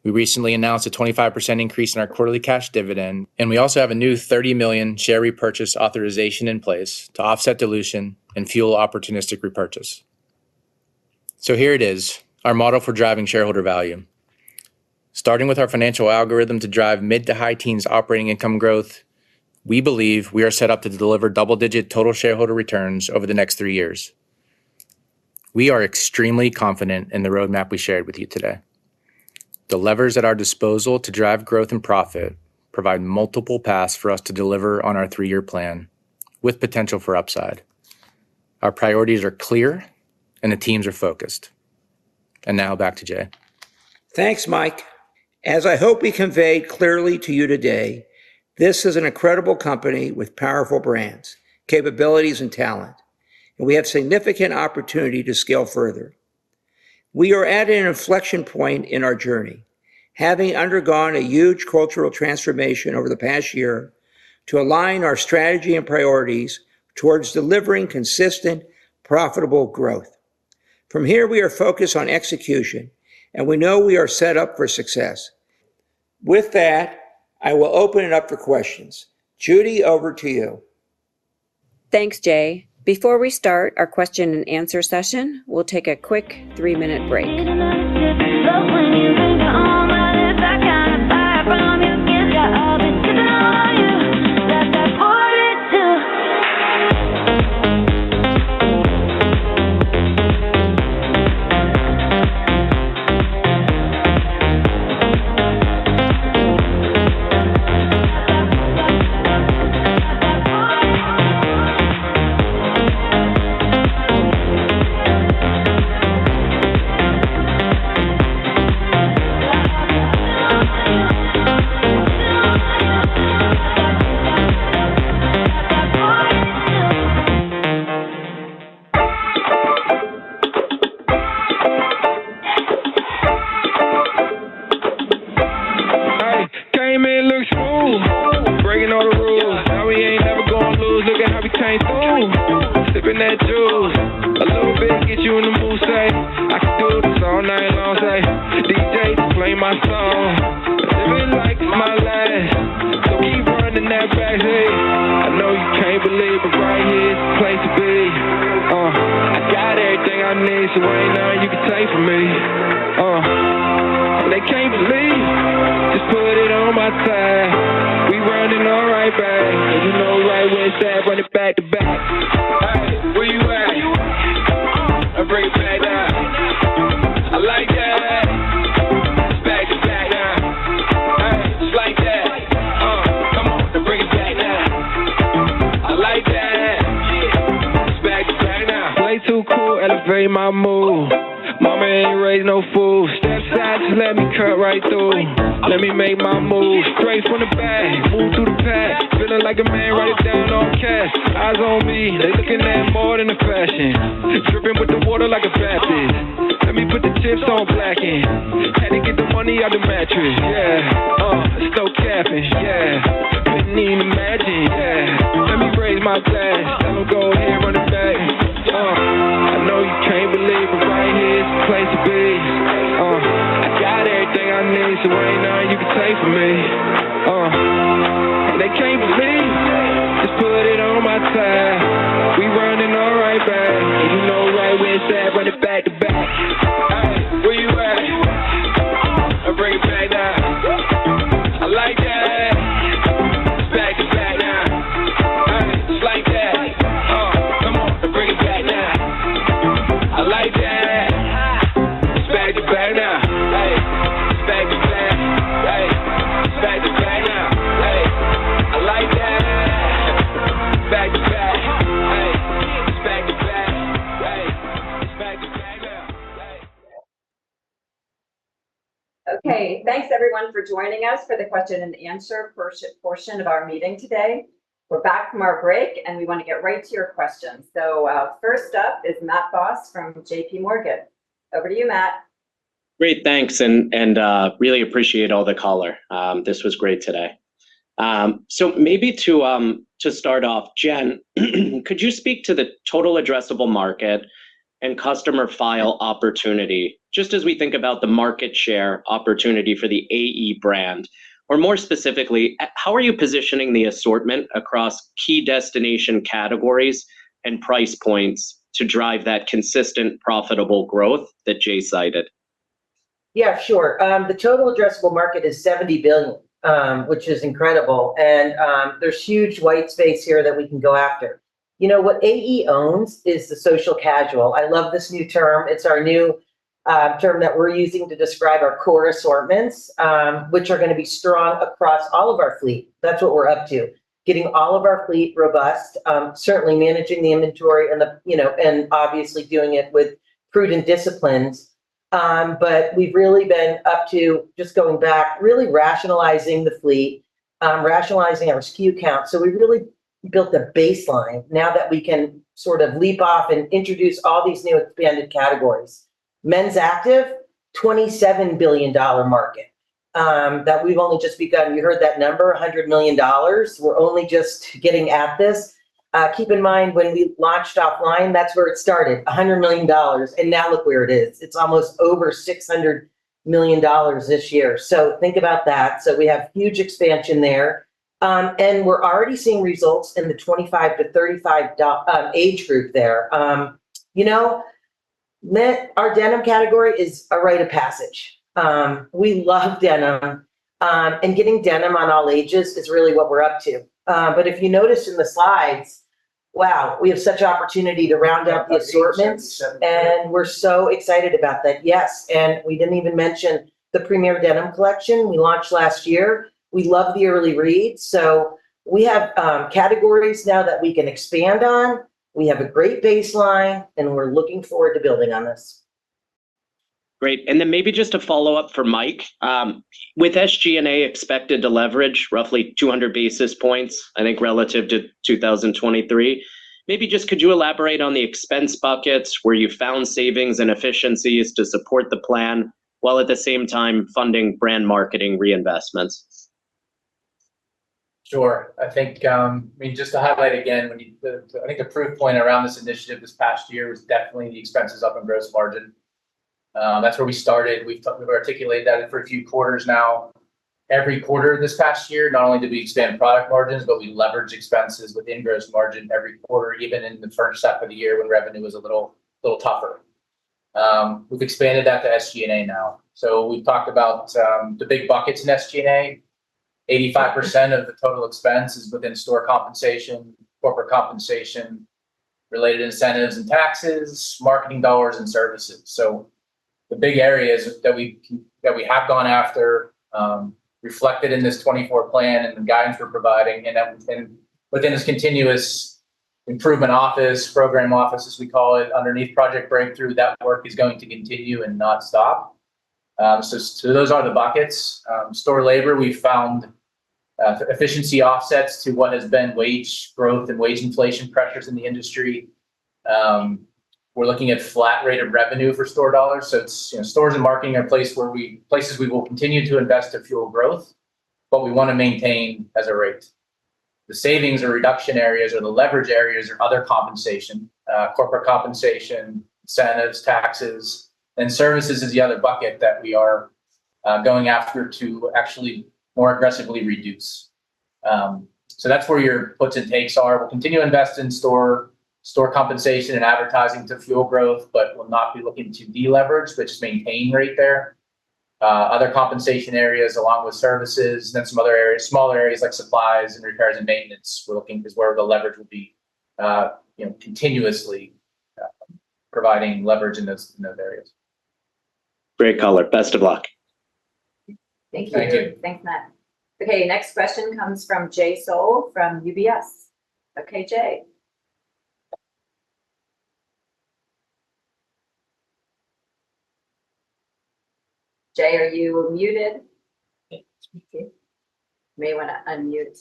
D: We recently announced a 25% increase in our quarterly cash dividend, and we also have a new $30 million share repurchase authorization in place to offset dilution and fuel opportunistic repurchase. So here it is, our model for driving shareholder value. Starting with our financial algorithm to drive mid- to high-teens operating income growth, we believe we are set up to deliver double-digit total shareholder returns over the next three years. We are extremely confident in the roadmap we shared with you today. The levers at our disposal to drive growth and profit provide multiple paths for us to deliver on our three-year plan, with potential for upside. Our priorities are clear, and the teams are focused. And now back to Jay.
B: Thanks, Mike. As I hope we conveyed clearly to you today, this is an incredible company with powerful brands, capabilities, and talent, and we have significant opportunity to scale further. We are at an inflection point in our journey, having undergone a huge cultural transformation over the past year to align our strategy and priorities towards delivering consistent, profitable growth. From here, we are focused on execution, and we know we are set up for success. With that, I will open it up for questions. Judy, over to you.
A: Thanks, Jay. Before we start our question and answer session, we'll take a quick three-minutes break Okay, thanks everyone for joining us for the question and answer first portion of our meeting today. We're back from our break, and we wanna get right to your questions. So, first up is Matt Boss from J.P. Morgan. Over to you, Matt.
F: Great, thanks, really appreciate all the color. This was great today. So maybe to start off, Jen, could you speak to the total addressable market and customer file opportunity, just as we think about the market share opportunity for the AE brand? Or more specifically, how are you positioning the assortment across key destination categories and price points to drive that consistent, profitable growth that Jay cited?
C: Yeah, sure. The total addressable market is $70 billion, which is incredible, and there's huge white space here that we can go after. You know, what AE owns is the social casual. I love this new term. It's our new term that we're using to describe our core assortments, which are gonna be strong across all of our fleet. That's what we're up to, getting all of our fleet robust, certainly managing the inventory and the, you know, and obviously doing it with prudent disciplines. But we've really been up to just going back, really rationalizing the fleet, rationalizing our SKU count. So we've really built a baseline now that we can sort of leap off and introduce all these new expanded categories. Men's active, $27 billion market, that we've only just begun. You heard that number, $100 million. We're only just getting at this. Keep in mind, when we launched offline, that's where it started, $100 million, and now look where it is. It's almost over $600 million this year. So think about that. So we have huge expansion there. And we're already seeing results in the 25-35 age group there. You know, men, our denim category is a rite of passage. We love denim, and getting denim on all ages is really what we're up to. But if you noticed in the slides, wow, we have such opportunity to round out the assortments, and we're so excited about that. Yes, and we didn't even mention the premier denim collection we launched last year. We love the early reads, so we have categories now that we can expand on. We have a great baseline, and we're looking forward to building on this.
F: Great. Then maybe just a follow-up for Mike. With SG&A expected to leverage roughly 200 basis points, I think, relative to 2023, maybe just could you elaborate on the expense buckets where you found savings and efficiencies to support the plan, while at the same time funding brand marketing reinvestments?
D: Sure. I think, I mean, just to highlight again, the proof point around this initiative this past year was definitely the expenses up in Gross Margin. That's where we started. We've talked, we've articulated that for a few quarters now. Every quarter this past year, not only did we expand product margins, but we leveraged expenses within Gross Margin every quarter, even in the first half of the year when revenue was a little tougher. We've expanded that to SG&A now. So we've talked about the big buckets in SG&A. 85% of the total expense is within store compensation, corporate compensation, related incentives and taxes, marketing dollars, and services. So the big areas that we can, that we have gone after, reflected in this 2024 plan and the guidance we're providing, and that, and within this continuous improvement office, program office, as we call it, underneath Project Breakthrough, that work is going to continue and not stop. So those are the buckets. Store labor, we found, efficiency offsets to what has been wage growth and wage inflation pressures in the industry. We're looking at flat rate of revenue for store dollars, so it's, you know, stores and marketing are place where we—places we will continue to invest to fuel growth, but we wanna maintain as a rate. The savings or reduction areas or the leverage areas are other compensation, corporate compensation, incentives, taxes, and services is the other bucket that we are, going after to actually more aggressively reduce. So that's where your puts and takes are. We'll continue to invest in store, store compensation and advertising to fuel growth, but we'll not be looking to deleverage, but just maintain rate there. Other compensation areas along with services, then some other areas, smaller areas like supplies and repairs and maintenance, we're looking is where the leverage will be, you know, continuously providing leverage in those, in those areas.
F: Great color. Best of luck.
A: Thank you.
D: Thank you.
A: Thanks, Matt. Okay, next question comes from Jay Sole from UBS. Okay, Jay. Jay, are you muted? You may wanna unmute.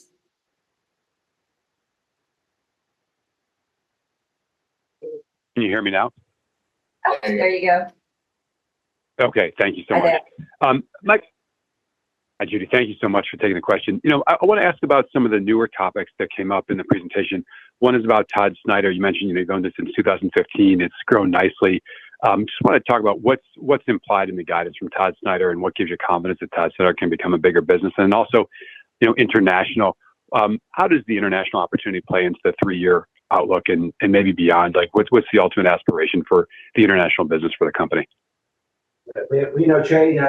G: Can you hear me now?
A: There you go.
G: Okay, thank you so much.
A: Hi there.
G: Mike... Hi, Judy, thank you so much for taking the question. You know, I wanna ask about some of the newer topics that came up in the presentation. One is about Todd Snyder. You mentioned you've been doing this since 2015. It's grown nicely. Just wanna talk about what's implied in the guidance from Todd Snyder and what gives you confidence that Todd Snyder can become a bigger business? And then also, you know, international, how does the international opportunity play into the three-year outlook and maybe beyond? Like, what's the ultimate aspiration for the international business for the company?
B: We, you know, Jay,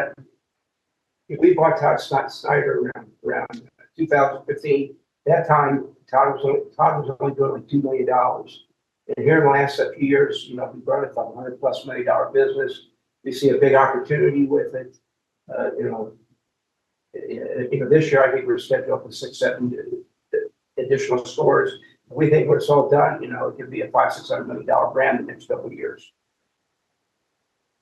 B: we bought Todd Snyder around 2015. At that time, Todd was only doing, like, $2 million. Here in the last few years, you know, we've grown it to a $100+ million business. We see a big opportunity with it. You know, this year, I think we're scheduled for six-seven additional stores. We think when it's all done, you know, it could be a $500-$600 million brand in the next couple years.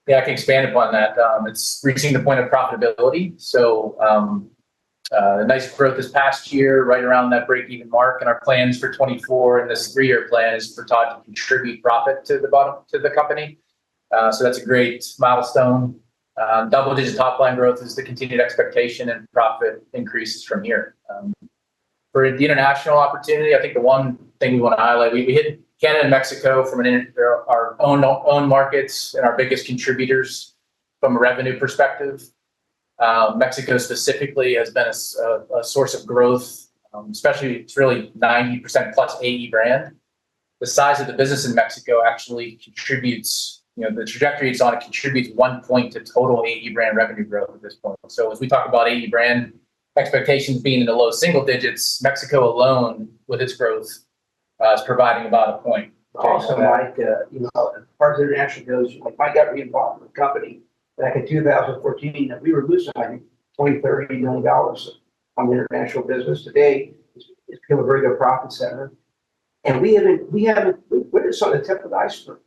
D: Yeah, I can expand upon that. It's reaching the point of profitability, so, a nice growth this past year, right around that break-even mark, and our plans for 2024, and this three-year plan, is for Todd to contribute profit to the bottom, to the company. So that's a great milestone. Double-digit top line growth is the continued expectation, and profit increases from here. For the international opportunity, I think the one thing we wanna highlight, we, we hit Canada and Mexico from an in-- they're our own, own markets and our biggest contributors from a revenue perspective. Mexico specifically has been a source of growth, especially it's really 90% plus AE brand. The size of the business in Mexico actually contributes, you know, the trajectory it's on contributes one point to total AE brand revenue growth at this point. So as we talk about AE brand expectations being in the low single digits, Mexico alone, with its growth, is providing about a point.
B: Also, Mike, you know, as far as the international goes, like, I got reinvolved in the company back in 2014, and we were losing money, $20-$30 million on the international business. Today, it's become a very good profit center, and we haven't. We're just on the tip of the iceberg.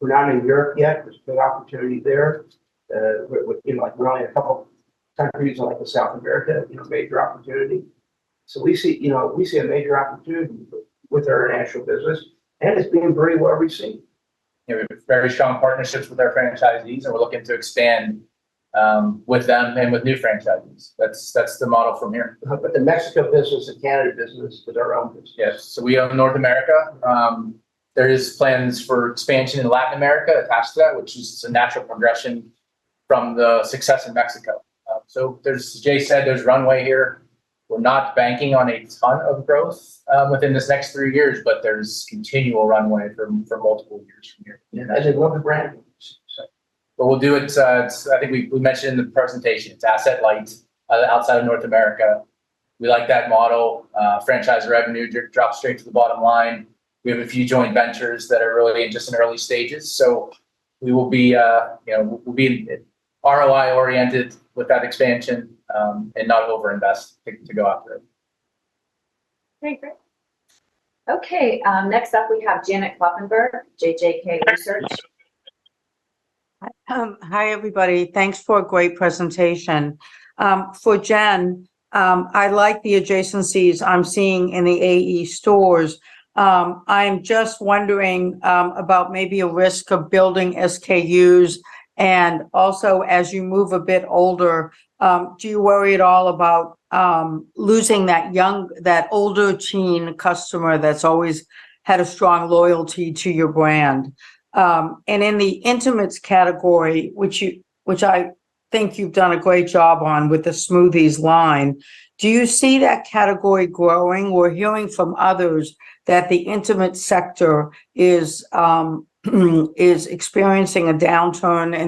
B: We're not in Europe yet. There's a big opportunity there. With, with, you know, like we're only in a couple countries in, like, South America, you know, major opportunity. So we see, you know, we see a major opportunity with our international business, and it's being very well received.
D: Yeah, we have very strong partnerships with our franchisees, and we're looking to expand with them and with new franchisees. That's, that's the model from here.
B: But the Mexico business and Canada business is our own business.
D: Yes. We own North America. There is plans for expansion in Latin America attached to that, which is a natural progression from the success in Mexico. So there's... Jay said there's runway here. We're not banking on a ton of growth within this next three years, but there's continual runway for multiple years from here.
B: Yeah, as a global brand.
D: But we'll do it, I think we, we mentioned in the presentation, it's asset light outside of North America. We like that model, franchise revenue drop straight to the bottom line. We have a few joint ventures that are really just in early stages, so we will be, you know, we'll be ROI oriented with that expansion, and not overinvest to go after it.
A: Okay, great. Okay, next up, we have Janet Kloppenberg, JJK Research.
H: Hi, everybody. Thanks for a great presentation. For Jen, I like the adjacencies I'm seeing in the AE stores. I'm just wondering about maybe a risk of building SKUs, and also, as you move a bit older, do you worry at all about losing that young, that older teen customer that's always had a strong loyalty to your brand? And in the intimates category, which you, which I think you've done a great job on with the SMOOTHEZ line, do you see that category growing, or hearing from others that the intimate sector is experiencing a downturn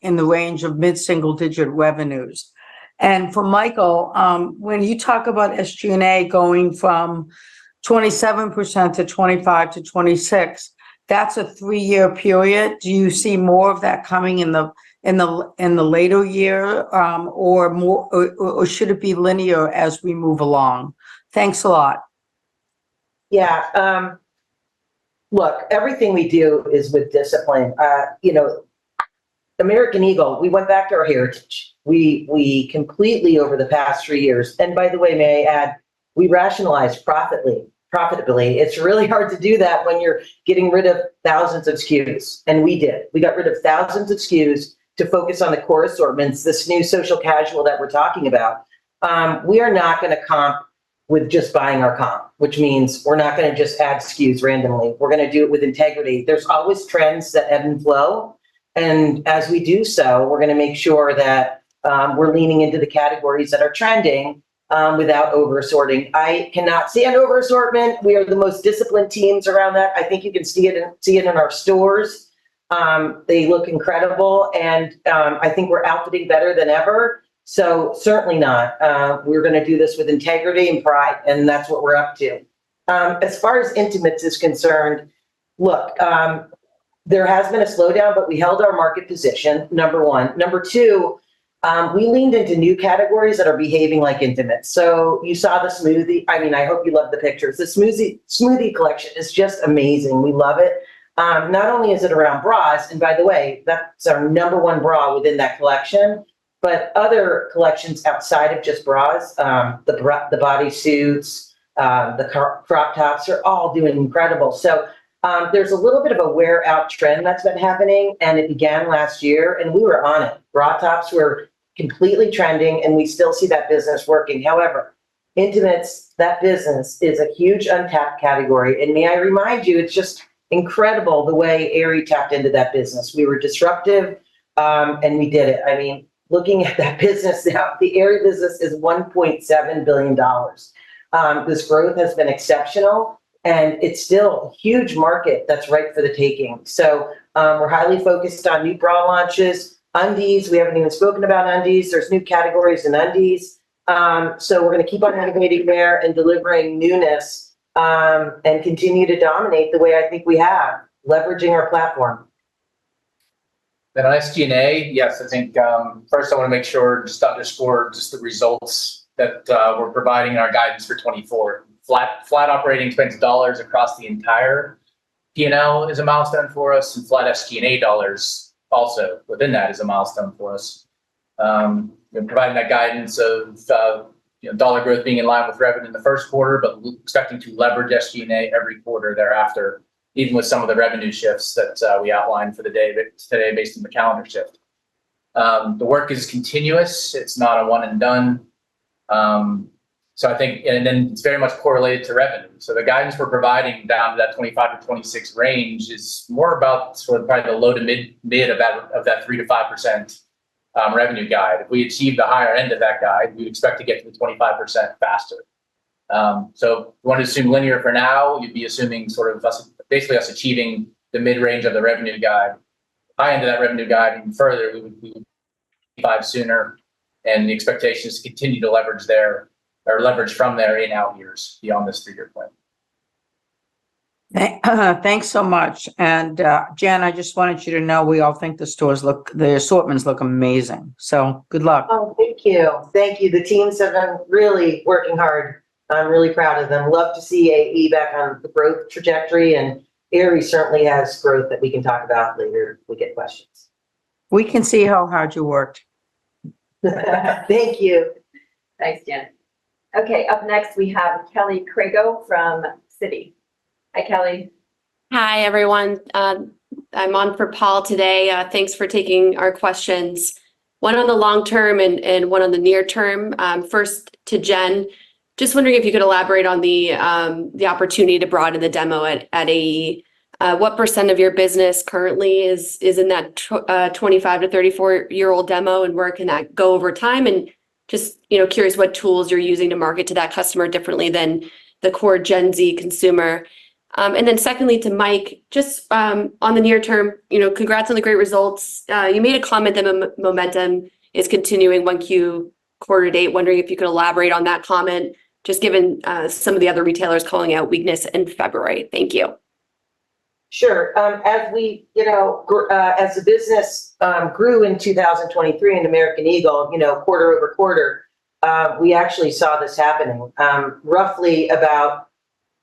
H: in the range of mid-single-digit revenues? And for Michael, when you talk about SG&A going from 27% to 25%-26%, that's a three-year period. Do you see more of that coming in the later year, or more, or should it be linear as we move along? Thanks a lot.
C: Yeah, look, everything we do is with discipline. You know, American Eagle, we went back to our heritage. We completely, over the past three years... And by the way, may I add, we rationalized profitly, profitably. It's really hard to do that when you're getting rid of thousands of SKUs, and we did. We got rid of thousands of SKUs to focus on the core assortments, this new social casual that we're talking about. We are not gonna comp with just buying our comp, which means we're not gonna just add SKUs randomly. We're gonna do it with integrity. There's always trends that ebb and flow, and as we do so, we're gonna make sure that we're leaning into the categories that are trending without overassorting. I cannot see an overassortment. We are the most disciplined teams around that. I think you can see it, see it in our stores. They look incredible, and I think we're outfitted better than ever. So certainly not. We're gonna do this with integrity and pride, and that's what we're up to. As far as intimates is concerned, look, there has been a slowdown, but we held our market position, number one. Number two, we leaned into new categories that are behaving like intimates. So you saw the SMOOTHEZ. I mean, I hope you love the pictures. The SMOOTHEZ, SMOOTHEZ collection is just amazing. We love it. Not only is it around bras, and by the way, that's our number one bra within that collection, but other collections outside of just bras, the bra, the bodysuits, the crop, crop tops are all doing incredible. So, there's a little bit of a wear out trend that's been happening, and it began last year, and we were on it. Bra tops were completely trending, and we still see that business working. However, intimates, that business is a huge untapped category, and may I remind you, it's just incredible the way Aerie tapped into that business. We were disruptive, and we did it. I mean, looking at that business now, the Aerie business is $1.7 billion. This growth has been exceptional, and it's still a huge market that's ripe for the taking. So, we're highly focused on new bra launches. Undies, we haven't even spoken about undies. There's new categories in undies. So we're gonna keep on innovating there and delivering newness, and continue to dominate the way I think we have, leveraging our platform.
D: Then on SG&A, yes, I think, first I wanna make sure, just underscore just the results that we're providing in our guidance for 2024. Flat, flat operating expense dollars across the entire P&L is a milestone for us, and flat SG&A dollars also within that is a milestone for us. We're providing that guidance of, you know, dollar growth being in line with revenue in the first quarter, but we're expecting to leverage SG&A every quarter thereafter, even with some of the revenue shifts that we outlined for the day, but today, based on the calendar shift. The work is continuous. It's not a one and done. So I think... And then it's very much correlated to revenue. So the guidance we're providing down to that 25%-26% range is more about sort of probably the low to mid of that 3%-5% revenue guide. If we achieve the higher end of that guide, we expect to get to the 25% faster. So if you want to assume linear for now, you'd be assuming sort of us, basically, us achieving the mid-range of the revenue guide. High end of that revenue guide, even further, we would five sooner, and the expectation is to continue to leverage there or leverage from there in out years beyond this three-year plan.
H: Thanks so much. And, Jen, I just wanted you to know we all think the stores look... the assortments look amazing. So good luck.
C: Oh, thank you. Thank you. The teams have been really working hard, and I'm really proud of them. Love to see AE back on the growth trajectory, and Aerie certainly has growth that we can talk about later, if we get questions.
H: We can see how hard you worked.
C: Thank you.
A: Thanks, Jen. Okay, up next, we have Kelly Crago from Citi. Hi, Kelly.
I: Hi, everyone. I'm on for Paul today. Thanks for taking our questions. One on the long term and one on the near term. First, to Jen, just wondering if you could elaborate on the opportunity to broaden the demo at AE. What % of your business currently is in that 25- to 34-year-old demo, and where can that go over time? And just, you know, curious what tools you're using to market to that customer differently than the core Gen Z consumer. And then secondly, to Mike, just on the near term, you know, congrats on the great results. You made a comment that momentum is continuing 1Q quarter to date. Wondering if you could elaborate on that comment, just given some of the other retailers calling out weakness in February. Thank you.
C: Sure. As we, you know, as the business grew in 2023 in American Eagle, you know, quarter-over-quarter, we actually saw this happening. Roughly about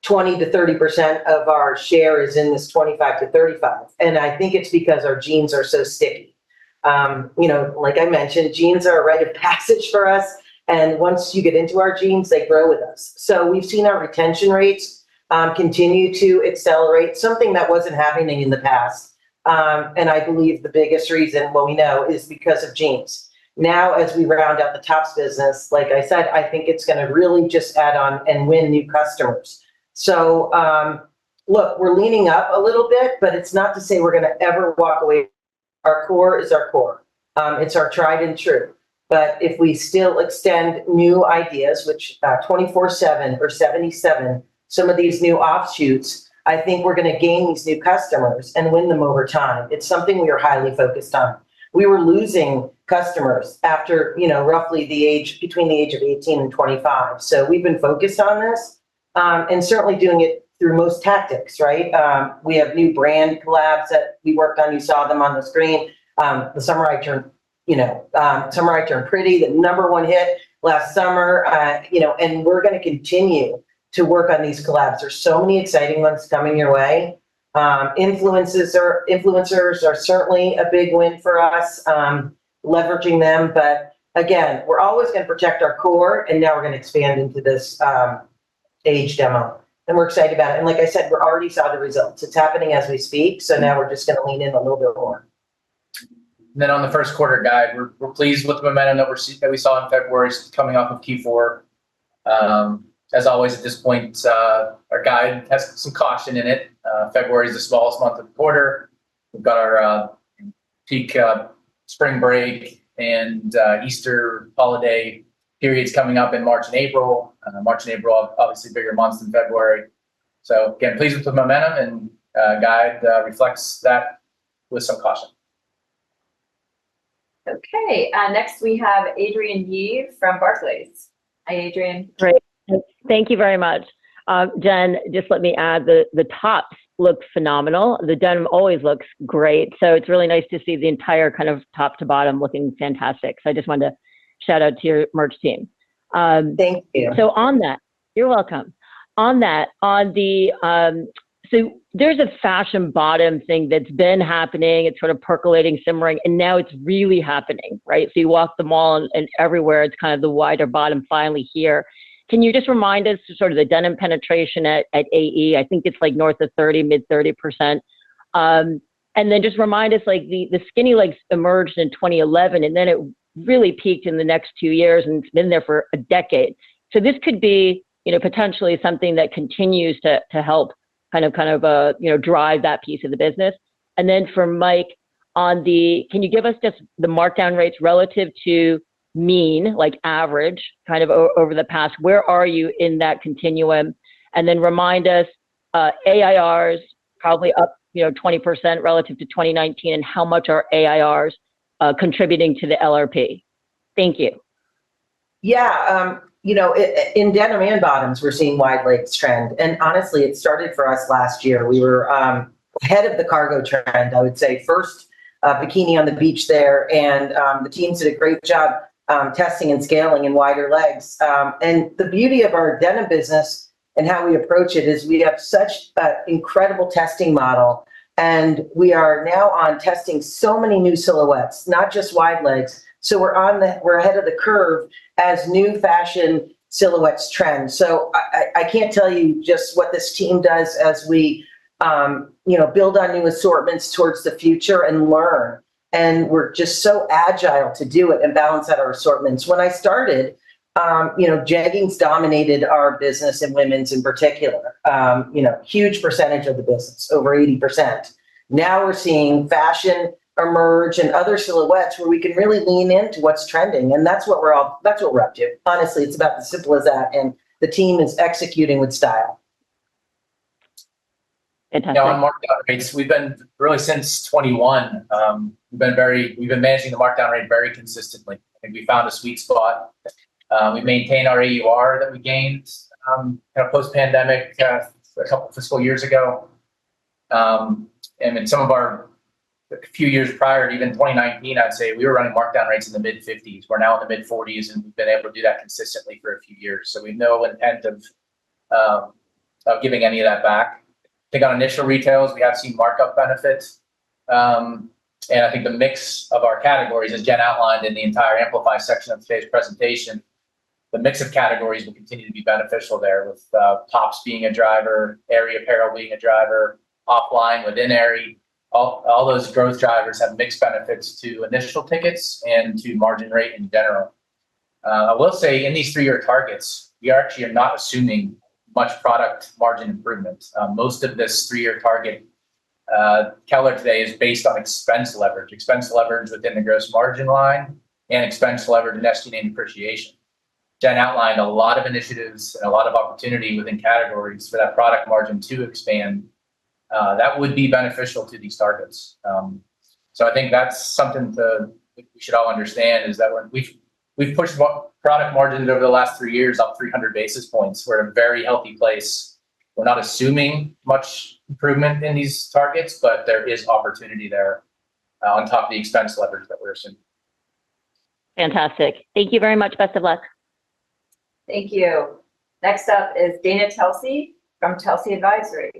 C: 20%-30% of our share is in this 25-35, and I think it's because our jeans are so sticky. You know, like I mentioned, jeans are a rite of passage for us, and once you get into our jeans, they grow with us. So we've seen our retention rates continue to accelerate, something that wasn't happening in the past. And I believe the biggest reason, well, we know, is because of jeans. Now, as we round out the tops business, like I said, I think it's gonna really just add on and win new customers. So, look, we're leaning up a little bit, but it's not to say we're gonna ever walk away. Our core is our core. It's our tried and true. But if we still extend new ideas, which, 24/7 or AE77, some of these new offshoots, I think we're gonna gain these new customers and win them over time. It's something we are highly focused on. We were losing customers after, you know, roughly the age, between the age of 18 and 25, so we've been focused on this, and certainly doing it through most tactics, right? We have new brand collabs that we worked on. You saw them on the screen. The Summer I Turned, you know, Summer I Turned Pretty, the number one hit last summer. You know, and we're gonna continue to work on these collabs. There's so many exciting ones coming your way. Influences or influencers are certainly a big win for us, leveraging them. But again, we're always gonna protect our core, and now we're gonna expand into this age demo, and we're excited about it. And like I said, we're already saw the results. It's happening as we speak, so now we're just gonna lean in a little bit more.
D: Then on the first quarter guide, we're pleased with the momentum that we saw in February coming off of Q4. As always, at this point, our guide has some caution in it. February is the smallest month of the quarter. We've got our peak spring break and Easter holiday periods coming up in March and April. March and April are obviously bigger months than February. So again, pleased with the momentum, and guide reflects that with some caution.
A: Okay, next we have Adrienne Yih from Barclays. Hi, Adrienne.
J: Great. Thank you very much. Jen, just let me add, the tops look phenomenal. The denim always looks great, so it's really nice to see the entire kind of top to bottom looking fantastic. So I just wanted to shout out to your merch team.
C: Thank you.
J: So on that... You're welcome. On that, on the, so there's a fashion bottom thing that's been happening. It's sort of percolating, simmering, and now it's really happening, right? So you walk the mall, and everywhere, it's kind of the wider bottom finally here. Can you just remind us sort of the denim penetration at AE? I think it's like north of 30, mid 30%. And then just remind us, like, the skinny legs emerged in 2011, and then it really peaked in the next two years, and it's been there for a decade. So this could be, you know, potentially something that continues to help kind of, kind of, you know, drive that piece of the business. And then for Mike, on the... Can you give us just the markdown rates relative to mean, like, average, kind of over the past? Where are you in that continuum? And then remind us, Aerie is probably up, you know, 20% relative to 2019, and how much are Aeries contributing to the LRP? Thank you.
C: Yeah, you know, in denim and bottoms, we're seeing wide legs trend, and honestly, it started for us last year. We were ahead of the cargo trend, I would say. First, bikini on the beach there, and the teams did a great job testing and scaling in wider legs. And the beauty of our denim business and how we approach it is we have such a incredible testing model, and we are now on testing so many new silhouettes, not just wide legs. So we're ahead of the curve as new fashion silhouettes trend. So I can't tell you just what this team does as we, you know, build out new assortments towards the future and learn, and we're just so agile to do it and balance out our assortments. When I started, you know, jeggings dominated our business and women's in particular, you know, huge percentage of the business, over 80%. Now, we're seeing fashion emerge and other silhouettes, where we can really lean into what's trending, and that's what we're all... That's what we're up to. Honestly, it's about as simple as that, and the team is executing with style.
J: Fantastic.
D: Now, on markdown rates, we've been really since 2021, we've been managing the markdown rate very consistently, and we found a sweet spot. We maintained our AUR that we gained post-pandemic a couple fiscal years ago. And in some of our... a few years prior, to even 2019, I'd say we were running markdown rates in the mid-50s. We're now in the mid-40s, and we've been able to do that consistently for a few years. So we have no intent of giving any of that back. I think on initial retails, we have seen markup benefits. And I think the mix of our categories, as Jen outlined in the entire Amplify section of today's presentation, the mix of categories will continue to be beneficial there, with tops being a driver, Aerie apparel being a driver, offline within Aerie. All those growth drivers have mixed benefits to initial tickets and to margin rate in general. I will say, in these three-year targets, we actually are not assuming much product margin improvement. Most of this three-year target, color today is based on expense leverage. Expense leverage within the gross margin line and expense leverage nested in depreciation. Jen outlined a lot of initiatives and a lot of opportunity within categories for that product margin to expand. That would be beneficial to these targets. So I think that's something to, I think we should all understand, is that when... We've pushed product margins over the last three years, up 300 basis points. We're in a very healthy place. We're not assuming much improvement in these targets, but there is opportunity there, on top of the expense leverage that we're seeing.
J: Fantastic. Thank you very much. Best of luck.
A: Thank you. Next up is Dana Telsey from Telsey Advisory.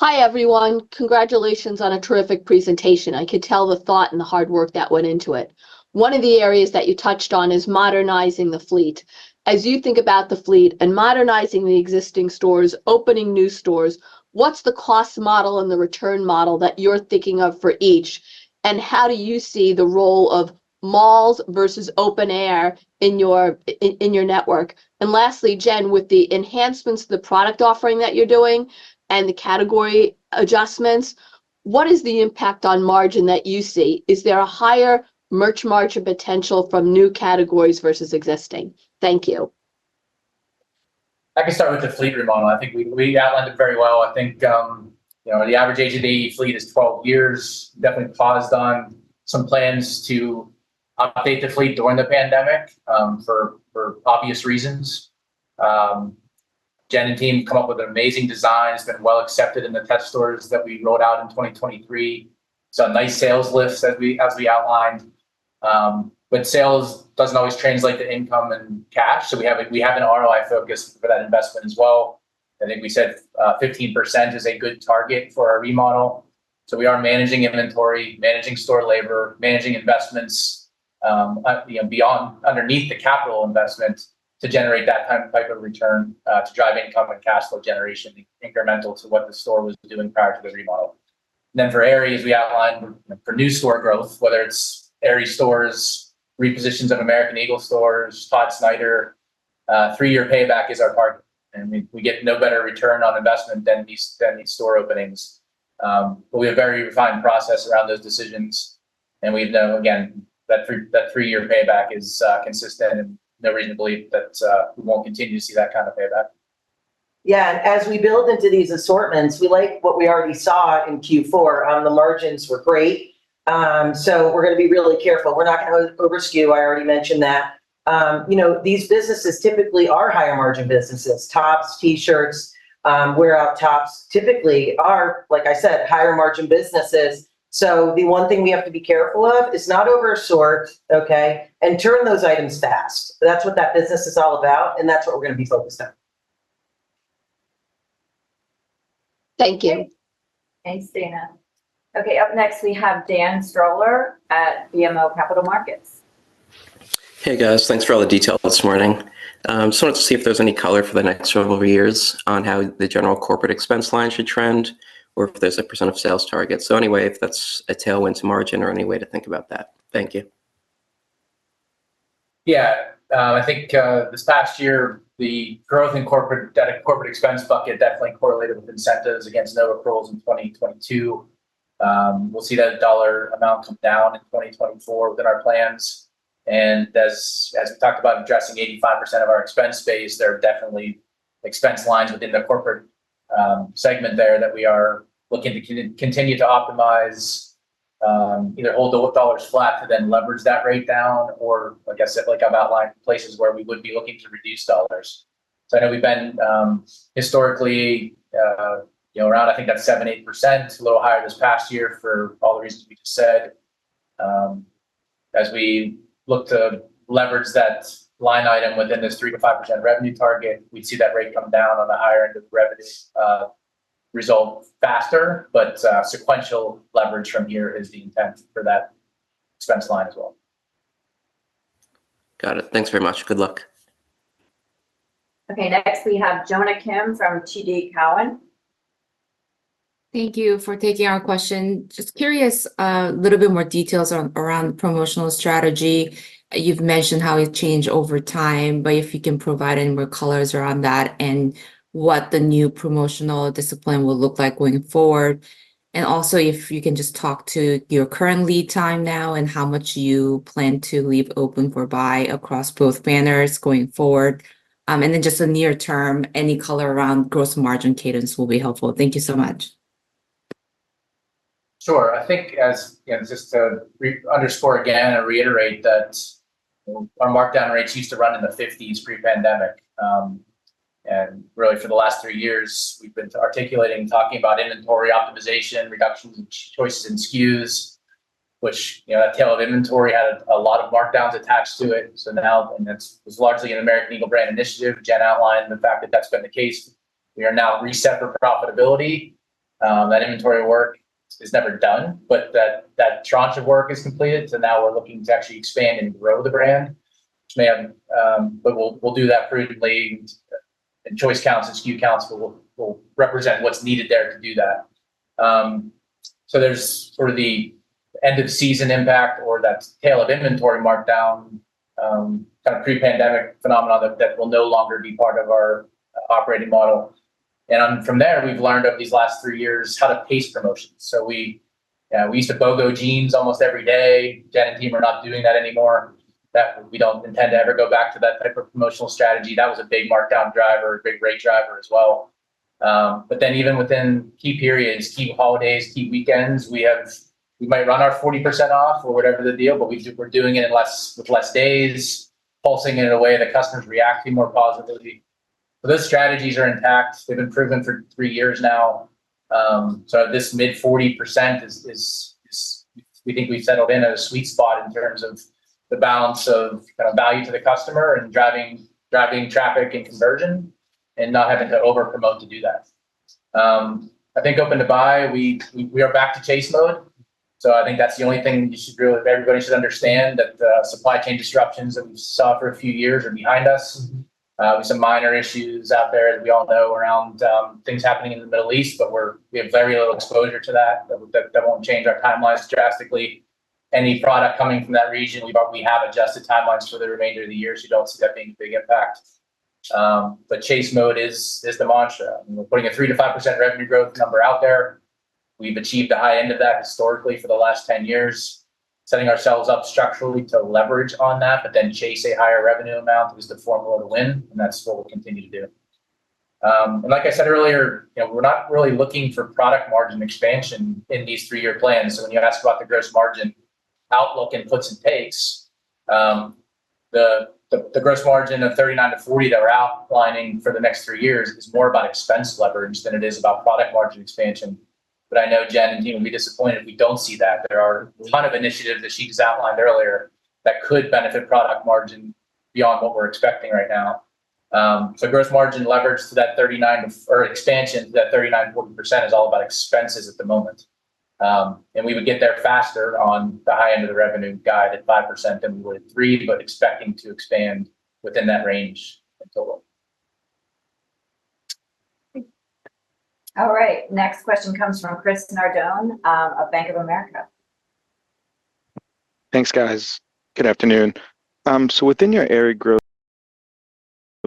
K: Hi, everyone. Congratulations on a terrific presentation. I could tell the thought and the hard work that went into it. One of the areas that you touched on is modernizing the fleet. As you think about the fleet and modernizing the existing stores, opening new stores, what's the cost model and the return model that you're thinking of for each, and how do you see the role of malls versus open air in your, in your network? And lastly, Jen, with the enhancements to the product offering that you're doing and the category adjustments, what is the impact on margin that you see? Is there a higher merch margin potential from new categories versus existing? Thank you.
D: I can start with the fleet remodel. I think we outlined it very well. I think, you know, the average AEO fleet is 12 years. Definitely paused on some plans to update the fleet during the pandemic, for obvious reasons. Jen and team come up with amazing designs, been well accepted in the test stores that we rolled out in 2023. Saw nice sales lifts, as we outlined. But sales doesn't always translate to income and cash, so we have an ROI focus for that investment as well. I think we said, 15% is a good target for our remodel. So we are managing inventory, managing store labor, managing investments, you know, beyond, underneath the capital investment to generate that kind of type of return, to drive income and cash flow generation, incremental to what the store was doing prior to the remodel. Then for Aerie, as we outlined, for new store growth, whether it's Aerie stores, repositions of American Eagle stores, Todd Snyder, three-year payback is our target, and we, we get no better return on investment than these, than these store openings. But we have a very refined process around those decisions, and we've known, again, that three-year payback is consistent, and no reason to believe that we won't continue to see that kind of payback.
C: Yeah, and as we build into these assortments, we like what we already saw in Q4. The margins were great, so we're gonna be really careful. We're not gonna over-skew. I already mentioned that. You know, these businesses typically are higher-margin businesses. Tops, T-shirts, wear out tops typically are, like I said, higher-margin businesses. So the one thing we have to be careful of is not over assort, okay? And turn those items fast. That's what that business is all about, and that's what we're gonna be focused on.
K: Thank you.
A: Thanks, Dana. Okay, up next, we have Dan Stoller at BMO Capital Markets.
L: Hey, guys. Thanks for all the details this morning. So let's see if there's any color for the next several years on how the general corporate expense line should trend or if there's a percent of sales target. So anyway, if that's a tailwind to margin or any way to think about that. Thank you.
D: Yeah, I think this past year, the growth in corporate, that corporate expense bucket definitely correlated with incentives against non-GAAP approvals in 2022. We'll see that dollar amount come down in 2024 within our plans, and as we talked about, addressing 85% of our expense base, there are definitely expense lines within the corporate segment there that we are looking to continue to optimize, either hold the dollars flat to then leverage that rate down, or like I said, like I've outlined, places where we would be looking to reduce dollars. So I know we've been historically, you know, around, I think that 7-8%, a little higher this past year for all the reasons we just said. As we look to leverage that line item within this 3%-5% revenue target, we'd see that rate come down on the higher end of the revenue result faster, but sequential leverage from here is the intent for that expense line as well.
L: Got it. Thanks very much. Good luck.
A: Okay, next we have Jonna Kim from TD Cowen.
M: Thank you for taking our question. Just curious, a little bit more details around the promotional strategy. You've mentioned how it changed over time, but if you can provide any more colors around that and what the new promotional discipline will look like going forward. And also, if you can just talk to your current lead time now and how much you plan to leave open for buy across both banners going forward. And then just the near term, any color around gross margin cadence will be helpful. Thank you so much.
D: Sure. I think as, you know, just to underscore again and reiterate that our markdown rates used to run in the 50s pre-pandemic. And really, for the last three years, we've been articulating, talking about inventory optimization, reductions in choices and SKUs, which, you know, that tail of inventory had a lot of markdowns attached to it. So now, it's largely an American Eagle brand initiative. Jen outlined the fact that that's been the case. We are now reset for profitability. That inventory work is never done, but that tranche of work is completed. So now we're looking to actually expand and grow the brand. But we'll do that prudently, and choice counts and SKU counts will represent what's needed there to do that. So there's sort of the end-of-season impact or that tail of inventory markdown, kind of pre-pandemic phenomenon that, that will no longer be part of our operating model. From there, we've learned over these last three years how to pace promotions. So we, yeah, we used to BOGO jeans almost every day. Jen and team are not doing that anymore. That we don't intend to ever go back to that type of promotional strategy. That was a big markdown driver, a big rate driver as well. But then even within key periods, key holidays, key weekends, we have... we might run our 40% off or whatever the deal, but we're doing it in less, with less days, pulsing it in a way that customers react to more positively. Those strategies are intact. They've been proven for three years now. So this mid-40% is, we think we've settled in at a sweet spot in terms of the balance of kind of value to the customer and driving traffic and conversion and not having to over promote to do that. I think open-to-buy, we are back to chase mode. So I think that's the only thing you should really, everybody should understand, that the supply chain disruptions that we saw for a few years are behind us. With some minor issues out there that we all know around things happening in the Middle East, but we have very little exposure to that. That won't change our timelines drastically. Any product coming from that region, we have adjusted timelines for the remainder of the year, so you don't see that being a big impact. But chase mode is the mantra. We're putting a 3%-5% revenue growth number out there. We've achieved the high end of that historically for the last 10 years, setting ourselves up structurally to leverage on that, but then chase a higher revenue amount is the formula to win, and that's what we'll continue to do. And like I said earlier, you know, we're not really looking for product margin expansion in these three-year plans. So when you ask about the gross margin outlook inputs and pace, the gross margin of 39%-40% that we're outlining for the next three years is more about expense leverage than it is about product margin expansion. But I know Jen and team will be disappointed if we don't see that. There are a ton of initiatives that she's outlined earlier that could benefit product margin beyond what we're expecting right now. So gross margin leverage to that 39% or expansion to that 39%-40% is all about expenses at the moment. And we would get there faster on the high end of the revenue guide at 5% than we would at 3%, but expecting to expand within that range in total.
A: All right. Next question comes from Chris Nardone, of Bank of America.
N: Thanks, guys. Good afternoon. So within your Aerie growth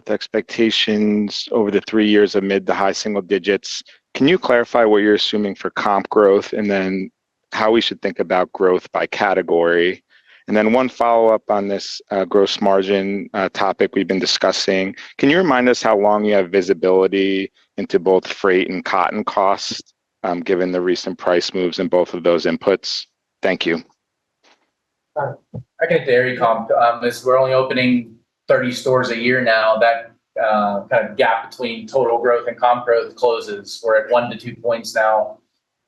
N: expectations over the three years amid the high single digits, can you clarify what you're assuming for comp growth and then how we should think about growth by category? And then one follow-up on this, gross margin topic we've been discussing. Can you remind us how long you have visibility into both freight and cotton costs, given the recent price moves in both of those inputs? Thank you.
D: I can tell you, comp is we're only opening 30 stores a year now. That kind of gap between total growth and comp growth closes. We're at one-two points now.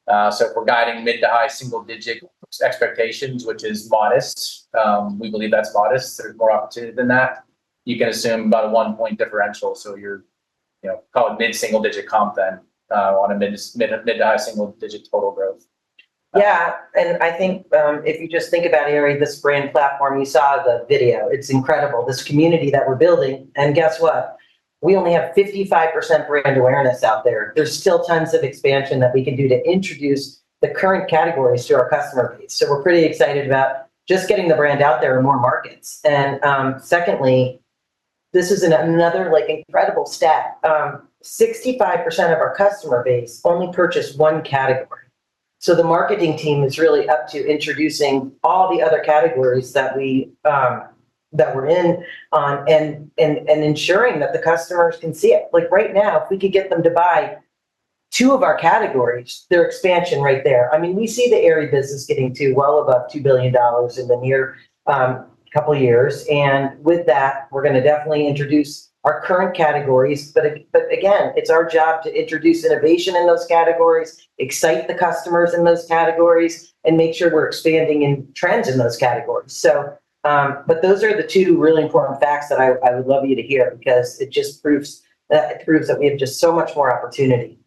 D: So if we're guiding mid- to high single-digit expectations, which is modest, we believe that's modest, there's more opportunity than that. You can assume about a one point differential, so you're, you know, call it mid-single-digit comp then, on a mid-to-high single-digit total growth.
C: Yeah, and I think, if you just think about Aerie, this brand platform, you saw the video. It's incredible, this community that we're building. And guess what? We only have 55% brand awareness out there. There's still tons of expansion that we can do to introduce the current categories to our customer base. So we're pretty excited about just getting the brand out there in more markets. And, secondly, this is another, like, incredible stat. 65% of our customer base only purchase one category. So the marketing team is really up to introducing all the other categories that we're in on, and ensuring that the customers can see it. Like, right now, if we could get them to buy two of our categories, there's expansion right there. I mean, we see the Aerie business getting to well above $2 billion in the near, couple of years, and with that, we're gonna definitely introduce our current categories. But, but again, it's our job to introduce innovation in those categories, excite the customers in those categories, and make sure we're expanding in trends in those categories. So, but those are the two really important facts that I, I would love you to hear, because it just proves, it proves that we have just so much more opportunity.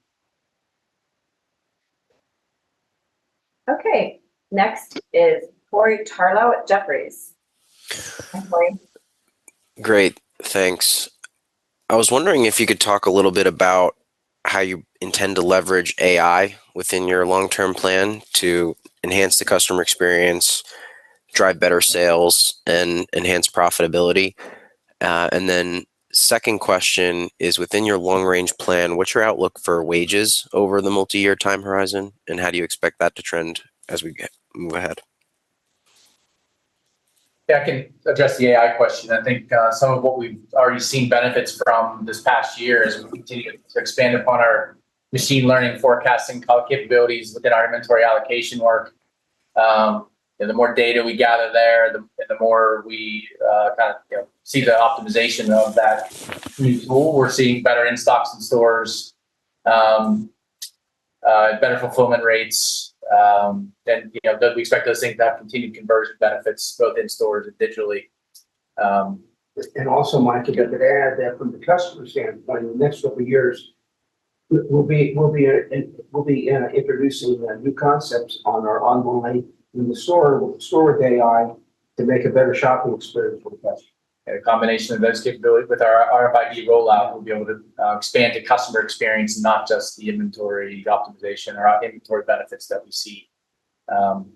A: Okay, next is Corey Tarlow at Jefferies. Hi, Corey.
O: Great, thanks. I was wondering if you could talk a little bit about how you intend to leverage AI within your long-term plan to enhance the customer experience, drive better sales, and enhance profitability. And then second question is, within your long range plan, what's your outlook for wages over the multi-year time horizon, and how do you expect that to trend as we move ahead?
D: Yeah, I can address the AI question. I think, some of what we've already seen benefits from this past year as we continue to expand upon our machine learning forecasting capabilities within our inventory allocation work. And the more data we gather there, the more we kind of, you know, see the optimization of that tool. We're seeing better in stocks and stores, better fulfillment rates, than, you know... But we expect those things to continue to convert to benefits both in stores and digitally.
B: And also, Mike, if I could add that from the customer standpoint, in the next couple of years, we'll be introducing new concepts on our online in the store with store AI to make a better shopping experience for the customer.
D: A combination of those capabilities with our RFID rollout, we'll be able to expand the customer experience, not just the inventory optimization or inventory benefits that we see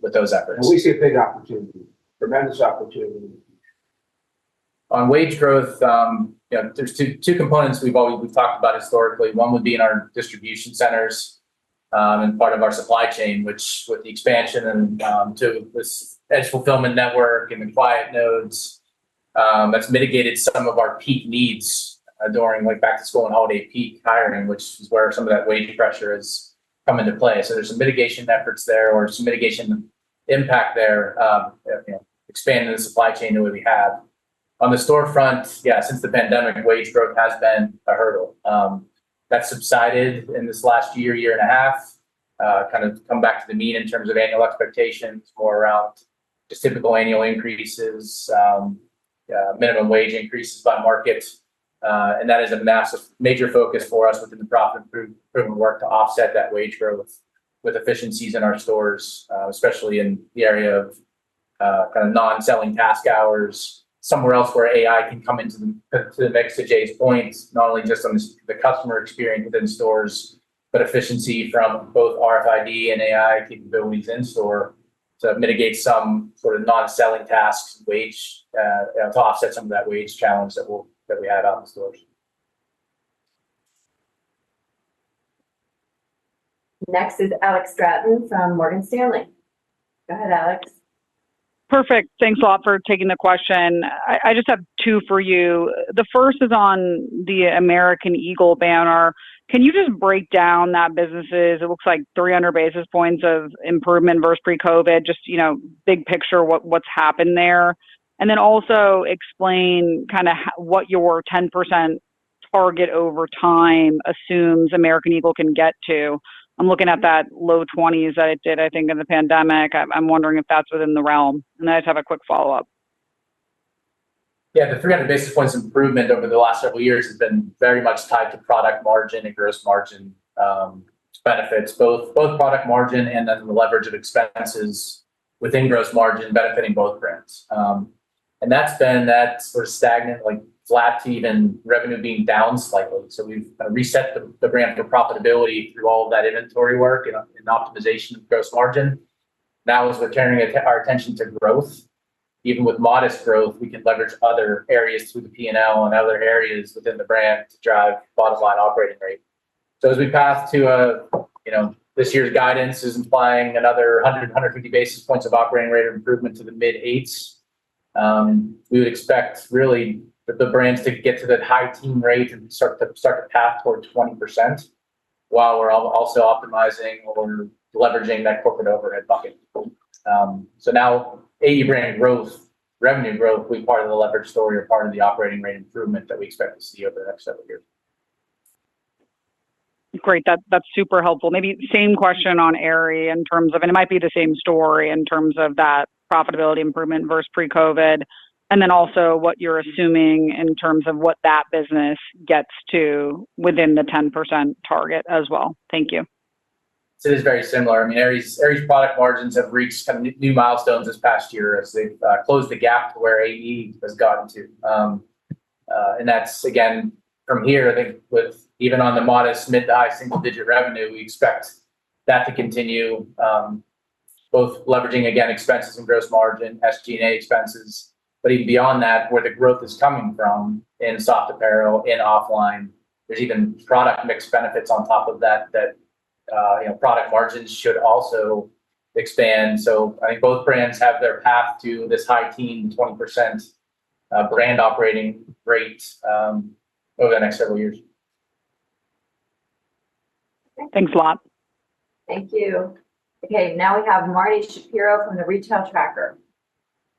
D: with those efforts.
B: We see a big opportunity, tremendous opportunity.
D: On wage growth, yeah, there's two components we've always talked about historically. One would be in our distribution centers, and part of our supply chain, which with the expansion and to this Edge Fulfillment network and the Quiet nodes, that's mitigated some of our peak needs during like back-to-school and holiday peak hiring, which is where some of that wage pressure has come into play. So there's some mitigation efforts there or some mitigation impact there, you know, expanding the supply chain the way we have. On the storefront, yeah, since the pandemic, wage growth has been a hurdle. That subsided in this last year and a half, kind of come back to the mean in terms of annual expectations for around just typical annual increases, minimum wage increases by market. And that is a massive, major focus for us within the profit improvement work to offset that wage growth with efficiencies in our stores, especially in the area of kind of non-selling task hours. Somewhere else where AI can come into the mix, to Jay's point, not only just on the customer experience within stores, but efficiency from both RFID and AI capabilities in store to mitigate some sort of non-selling tasks wage to offset some of that wage challenge that we have out in the stores.
A: Next is Alex Straton from Morgan Stanley. Go ahead, Alex.
P: Perfect. Thanks a lot for taking the question. I just have two for you. The first is on the American Eagle banner. Can you just break down that businesses? It looks like 300 basis points of improvement versus pre-COVID. Just, you know, big picture, what, what's happened there? And then also explain kind of how... What your 10% target over time assumes American Eagle can get to. I'm looking at that low 20s that it did, I think, in the pandemic. I'm wondering if that's within the realm. And I just have a quick follow-up.
D: Yeah, the 300 basis points improvement over the last several years has been very much tied to product margin and gross margin benefits from both product margin and then the leverage of expenses within gross margin benefiting both brands. And that's sort of stagnant, like, flat to even revenue being down slightly. So we've reset the brand to profitability through all of that inventory work and optimization of gross margin. Now, as we're turning our attention to growth, even with modest growth, we can leverage other areas through the P&L and other areas within the brand to drive bottom line operating rate. So as we pass to, you know, this year's guidance is implying another 100-150 basis points of operating rate improvement to the mid-8s. We would expect, really, the brands to get to that high teen range and start the path towards 20%, while we're also optimizing or leveraging that corporate overhead bucket. So now, brand growth, revenue growth will be part of the leverage story or part of the operating rate improvement that we expect to see over the next several years.
P: Great. That's, that's super helpful. Maybe same question on Aerie in terms of... And it might be the same story in terms of that profitability improvement versus pre-COVID, and then also what you're assuming in terms of what that business gets to within the 10% target as well. Thank you.
D: So it is very similar. I mean, Aerie's product margins have reached some new milestones this past year as they've closed the gap to where AE has gotten to. And that's again, from here, I think with even on the modest mid-to-high single-digit revenue, we expect that to continue, both leveraging, again, expenses and gross margin, SG&A expenses. But even beyond that, where the growth is coming from in soft apparel, in offline, there's even product mix benefits on top of that, you know, product margins should also expand. So I think both brands have their path to this high-teens, 20%, brand operating rate, over the next several years.
P: Thanks a lot.
A: Thank you. Okay, now we have Marni Shapiro from The Retail Tracker.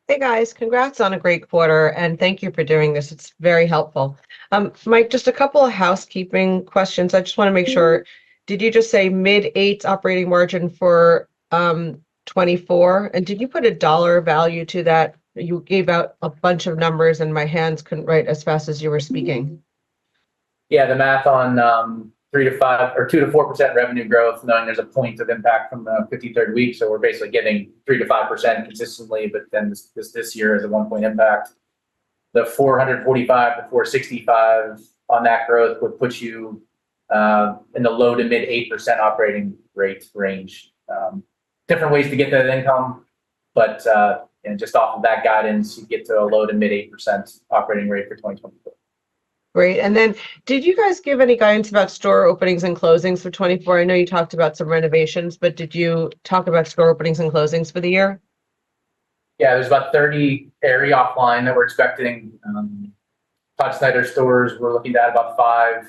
Q: Hey, guys. Congrats on a great quarter, and thank you for doing this. It's very helpful. Mike, just a couple of housekeeping questions. I just wanna make sure.
A: Mm-hmm.
Q: Did you just say mid-eights operating margin for 2024? And did you put a dollar value to that? You gave out a bunch of numbers, and my hands couldn't write as fast as you were speaking.
D: Yeah, the math on three to five... or two to four percent revenue growth, knowing there's a point of impact from the 53rd week, so we're basically getting 3%-5% consistently, but then this year is a one-point impact. The $445-$465 on that growth would put you in the low to mid-8% operating rate range. Different ways to get to that income, but, and just off of that guidance, you get to a low to mid-8% operating rate for 2024.
Q: Great. And then, did you guys give any guidance about store openings and closings for 2024? I know you talked about some renovations, but did you talk about store openings and closings for the year?
D: Yeah, there's about 30 Aerie offline that we're expecting. Todd Snyder stores, we're looking at about five.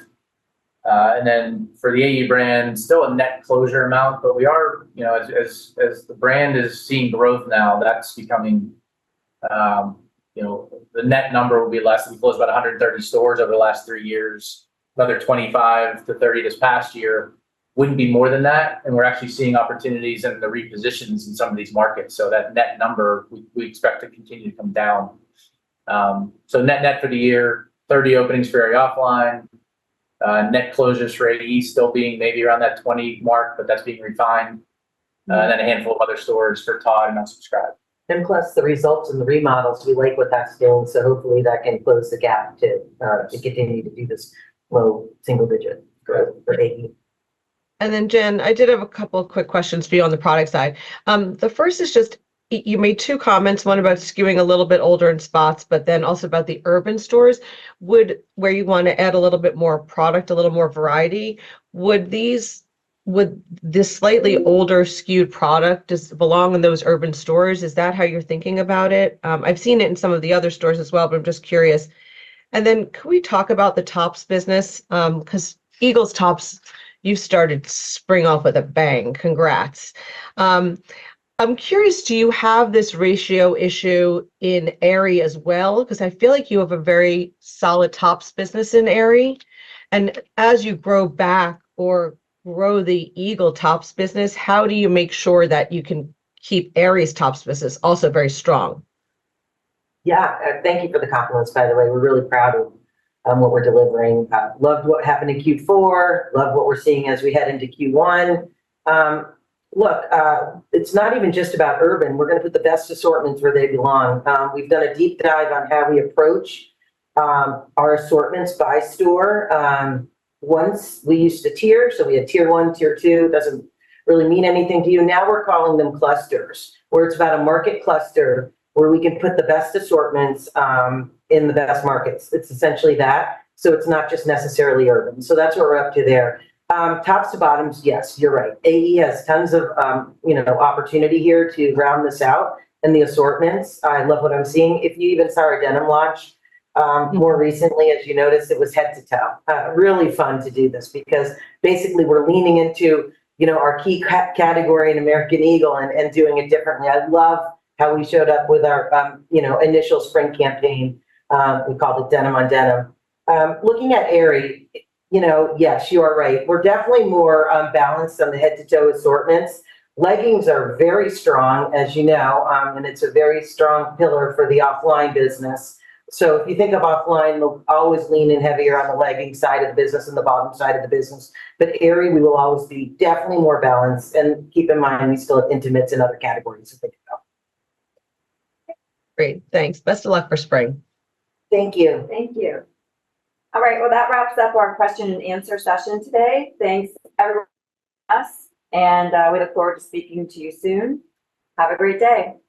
D: And then for the AE brand, still a net closure amount, but we are, you know, as the brand is seeing growth now, that's becoming, you know... The net number will be less than we closed about 130 stores over the last three years. Another 25-30 this past year, wouldn't be more than that, and we're actually seeing opportunities and the repositions in some of these markets. So that net number, we expect to continue to come down. So net net for the year, 30 openings for Aerie offline, net closures for AE still being maybe around that 20 mark, but that's being refined.
Q: Mm.
D: A handful of other stores for Todd Snyder, Unsubscribed.
C: Plus, the results and the remodels, we like what that's doing, so hopefully that can close the gap to continue to do this low single digit-
D: Correct
C: For AE.
Q: Jen, I did have a couple of quick questions for you on the product side. The first is just, you made two comments, one about skewing a little bit older in spots, but then also about the urban stores. Where you wanna add a little bit more product, a little more variety, would this slightly older skewed product just belong in those urban stores? Is that how you're thinking about it? I've seen it in some of the other stores as well, but I'm just curious. Can we talk about the Tops business? 'Cause AE's Tops, you started spring off with a bang. Congrats! I'm curious, do you have this ratio issue in Aerie as well? 'Cause I feel like you have a very solid Tops business in Aerie. As you grow back or grow the Eagle Tops business, how do you make sure that you can keep Aerie's Tops business also very strong?
C: Yeah. Thank you for the compliments, by the way. We're really proud of what we're delivering. Loved what happened in Q4, love what we're seeing as we head into Q1. Look, it's not even just about urban. We're gonna put the best assortments where they belong. We've done a deep dive on how we approach our assortments by store. Once, we used to tier, so we had tier one, tier two, doesn't really mean anything to you. Now, we're calling them clusters, where it's about a market cluster, where we can put the best assortments in the best markets. It's essentially that, so it's not just necessarily urban. So that's where we're up to there. Tops to bottoms, yes, you're right. AE has tons of, you know, opportunity here to round this out in the assortments. I love what I'm seeing. If you even saw our denim launch more recently, as you noticed, it was head to toe. Really fun to do this because basically, we're leaning into, you know, our key category in American Eagle and doing it differently. I love how we showed up with our, you know, initial spring campaign. We called it denim on denim. Looking at Aerie, you know, yes, you are right. We're definitely more balanced on the head-to-toe assortments. Leggings are very strong, as you know, and it's a very strong pillar for the offline business. So if you think of offline, we'll always lean in heavier on the legging side of the business and the bottom side of the business. Aerie, we will always be definitely more balanced, and keep in mind, we still have intimates and other categories to think about.
Q: Great, thanks. Best of luck for spring.
C: Thank you.
A: Thank you. All right, well, that wraps up our question and answer session today. Thanks, everyone, for joining us, and we look forward to speaking to you soon. Have a great day!